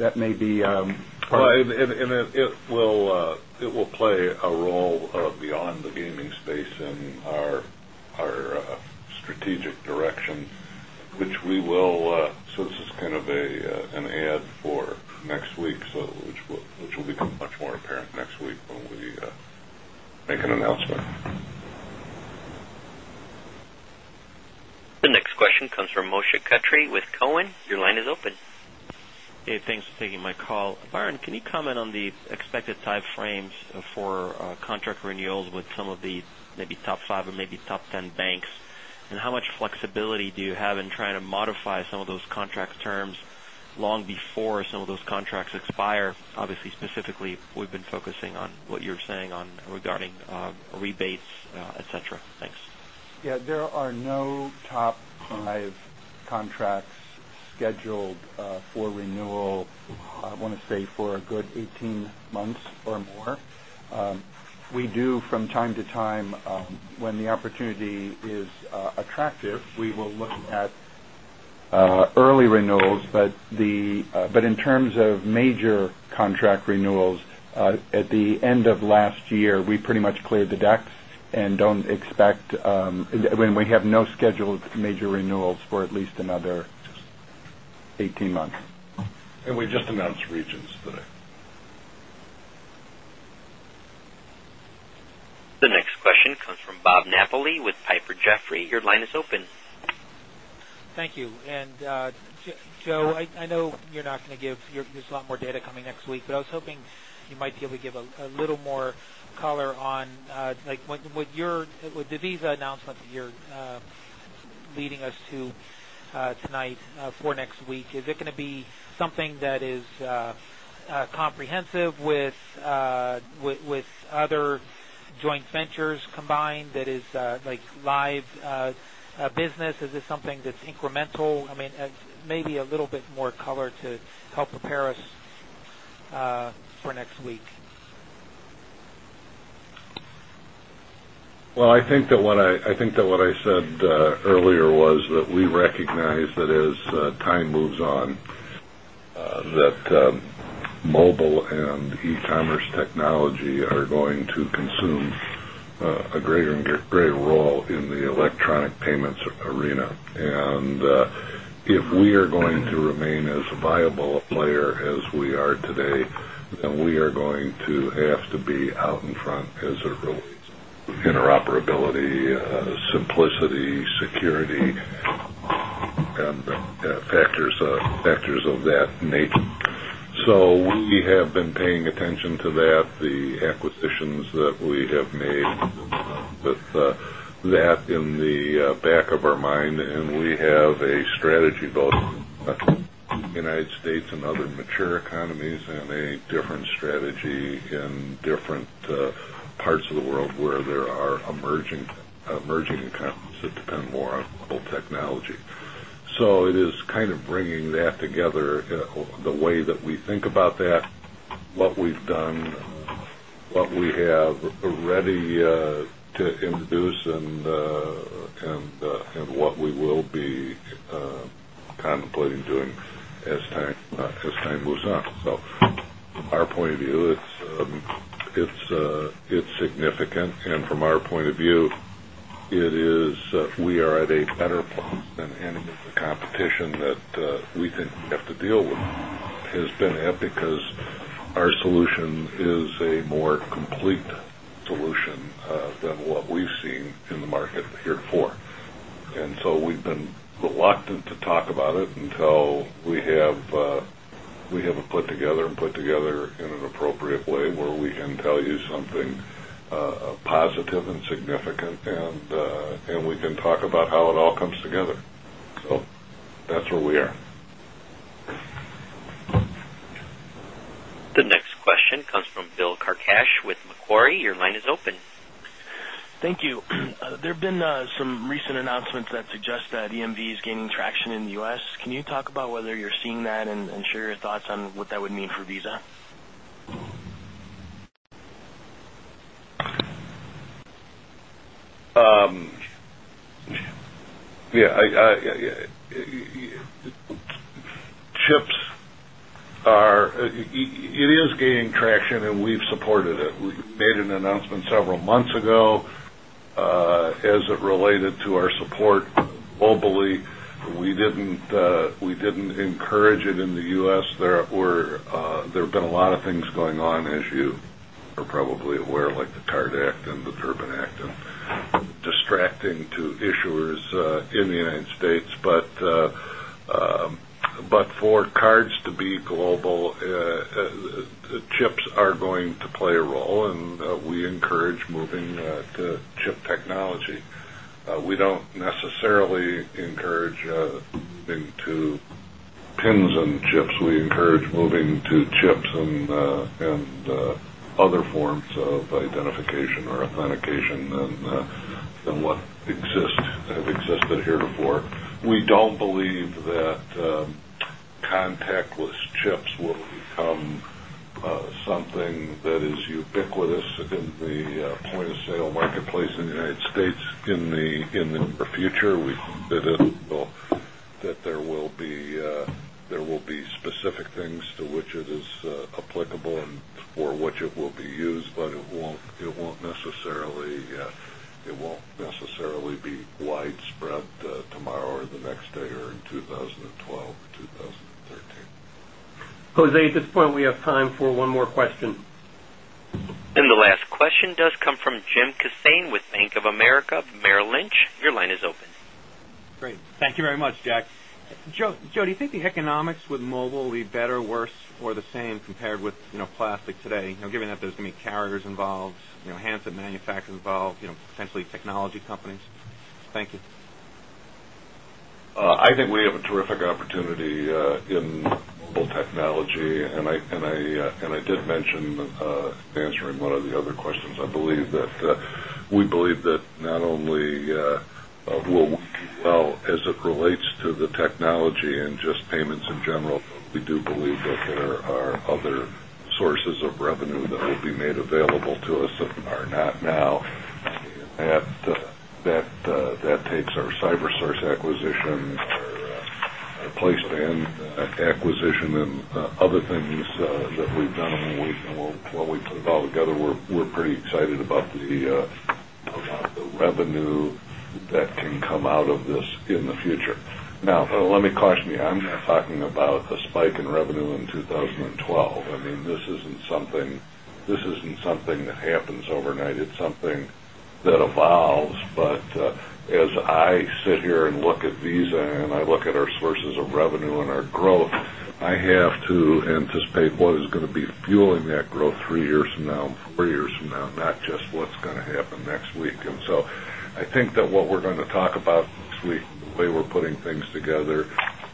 that may be part of it. It will play a role beyond the gaming space in our strategic direction, which we will, so this is kind of an ad for next week, which will become much more apparent next week when we make an announcement. The next question comes from Moshe Katri with Cowen. Your line is open. Hey, thanks for taking my call. Byron, can you comment on the expected timeframes for contract renewals with some of the maybe top 5 or maybe top 10 banks? How much flexibility do you have in trying to modify some of those contract terms long before some of those contracts expire? Obviously, specifically, we've been focusing on what you're saying regarding rebates, etc. Thanks. Yeah, there are no top 5 contracts scheduled for renewal, I want to say, for a good 18 months or more. We do from time to time, when the opportunity is attractive, we will look at early renewals. In terms of major contract renewals, at the end of last year, we pretty much cleared the decks and don't expect when we have no scheduled major renewals for at least another 18 months. We just announced Regions today. The next question comes from Bob Napoli with Piper Jaffray. Your line is open. Thank you. Joe, I know you're not going to give—there's a lot more data coming next week, but I was hoping you might be able to give a little more color on what your—with the Visa announcement that you're leading us to tonight for next week, is it going to be something that is comprehensive with other joint ventures combined that is live business? Is this something that's incremental? Maybe a little bit more color to help prepare us for next week. I think that what I said earlier was that we recognize that as time moves on, mobile and e-commerce technology are going to consume a greater and greater role in the electronic payments arena. If we are going to remain as a viable player as we are today, then we are going to have to be out in front as it relates to interoperability, simplicity, security, and factors of that nature. We have been paying attention to that, the acquisitions that we have made with that in the back of our mind. We have a strategy, both about the United States and other mature economies, and a different strategy in different parts of the world where there are emerging economies that depend more on old technology. It is kind of bringing that together, the way that we think about that, what we've done, what we have ready to introduce, and what we will be contemplating doing as time moves on. Our point of view is, it's significant. From our point of view, we are at a better place than any of the competition that we think we have to deal with has been at because our solution is a more complete solution than what we've seen in the market here before. We have been reluctant to talk about it until we have it put together and put together in an appropriate way where we can tell you something positive and significant. We can talk about how it all comes together. That's where we are. The next question comes from Bill Carcache with Macquarie. Your line is open. Thank you. There have been some recent announcements that suggest that EMV is gaining traction in the U.S. Can you talk about whether you're seeing that and share your thoughts on what that would mean for Visa? Yeah. Chips, it is gaining traction, and we've supported it. We made an announcement several months ago, as it related to our support globally. We didn't encourage it in the U.S. There have been a lot of things going on, as you are probably aware, like the CARD Act and the Durbin Act, and distracting to issuers in the United States. For cards to be global, chips are going to play a role. We encourage moving to chip technology. We don't necessarily encourage into PINs and chips. We encourage moving to chips and other forms of identification or authentication than what exists, have existed here before. We don't believe that contactless chips will become something that is ubiquitous within the point-of-sale marketplace in the United States in the future. We believe that there will be specific things to which it is applicable and for which it will be used, but it won't necessarily be widespread tomorrow or the next day or in 2012 or 2013. Jose, at this point, we have time for one more question. The last question does come from Jim Kissane with Bank of America Merrill Lynch. Your line is open. Great. Thank you very much, Jack. Joe, do you think the economics with mobile will be better, worse, or the same compared with, you know, plastic today? Given that there's going to be carriers involved, handset manufacturers involved, potentially technology companies? Thank you. I think we have a terrific opportunity in mobile technology. I did mention, answering one of the other questions, I believe that we believe that not only, as it relates to the technology and just payments in general, we do believe that there are other sources of revenue that would be made available to us that are not now. That takes our CyberSource acquisition, PlaySpan acquisition, and other things that we've done. When we put it all together, we're pretty excited about the revenue that can come out of this in the future. Now, let me caution you. I'm not talking about a spike in revenue in 2012. This isn't something that happens overnight. It's something that evolves. As I sit here and look at Visa and I look at our sources of revenue and our growth, I have to anticipate what is going to be fueling that growth three years from now and four years from now, not just what's going to happen next week. I think that what we're going to talk about this week, the way we're putting things together,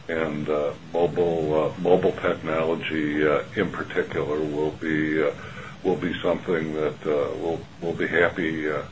and mobile technology in particular, will be something that we'll be happy,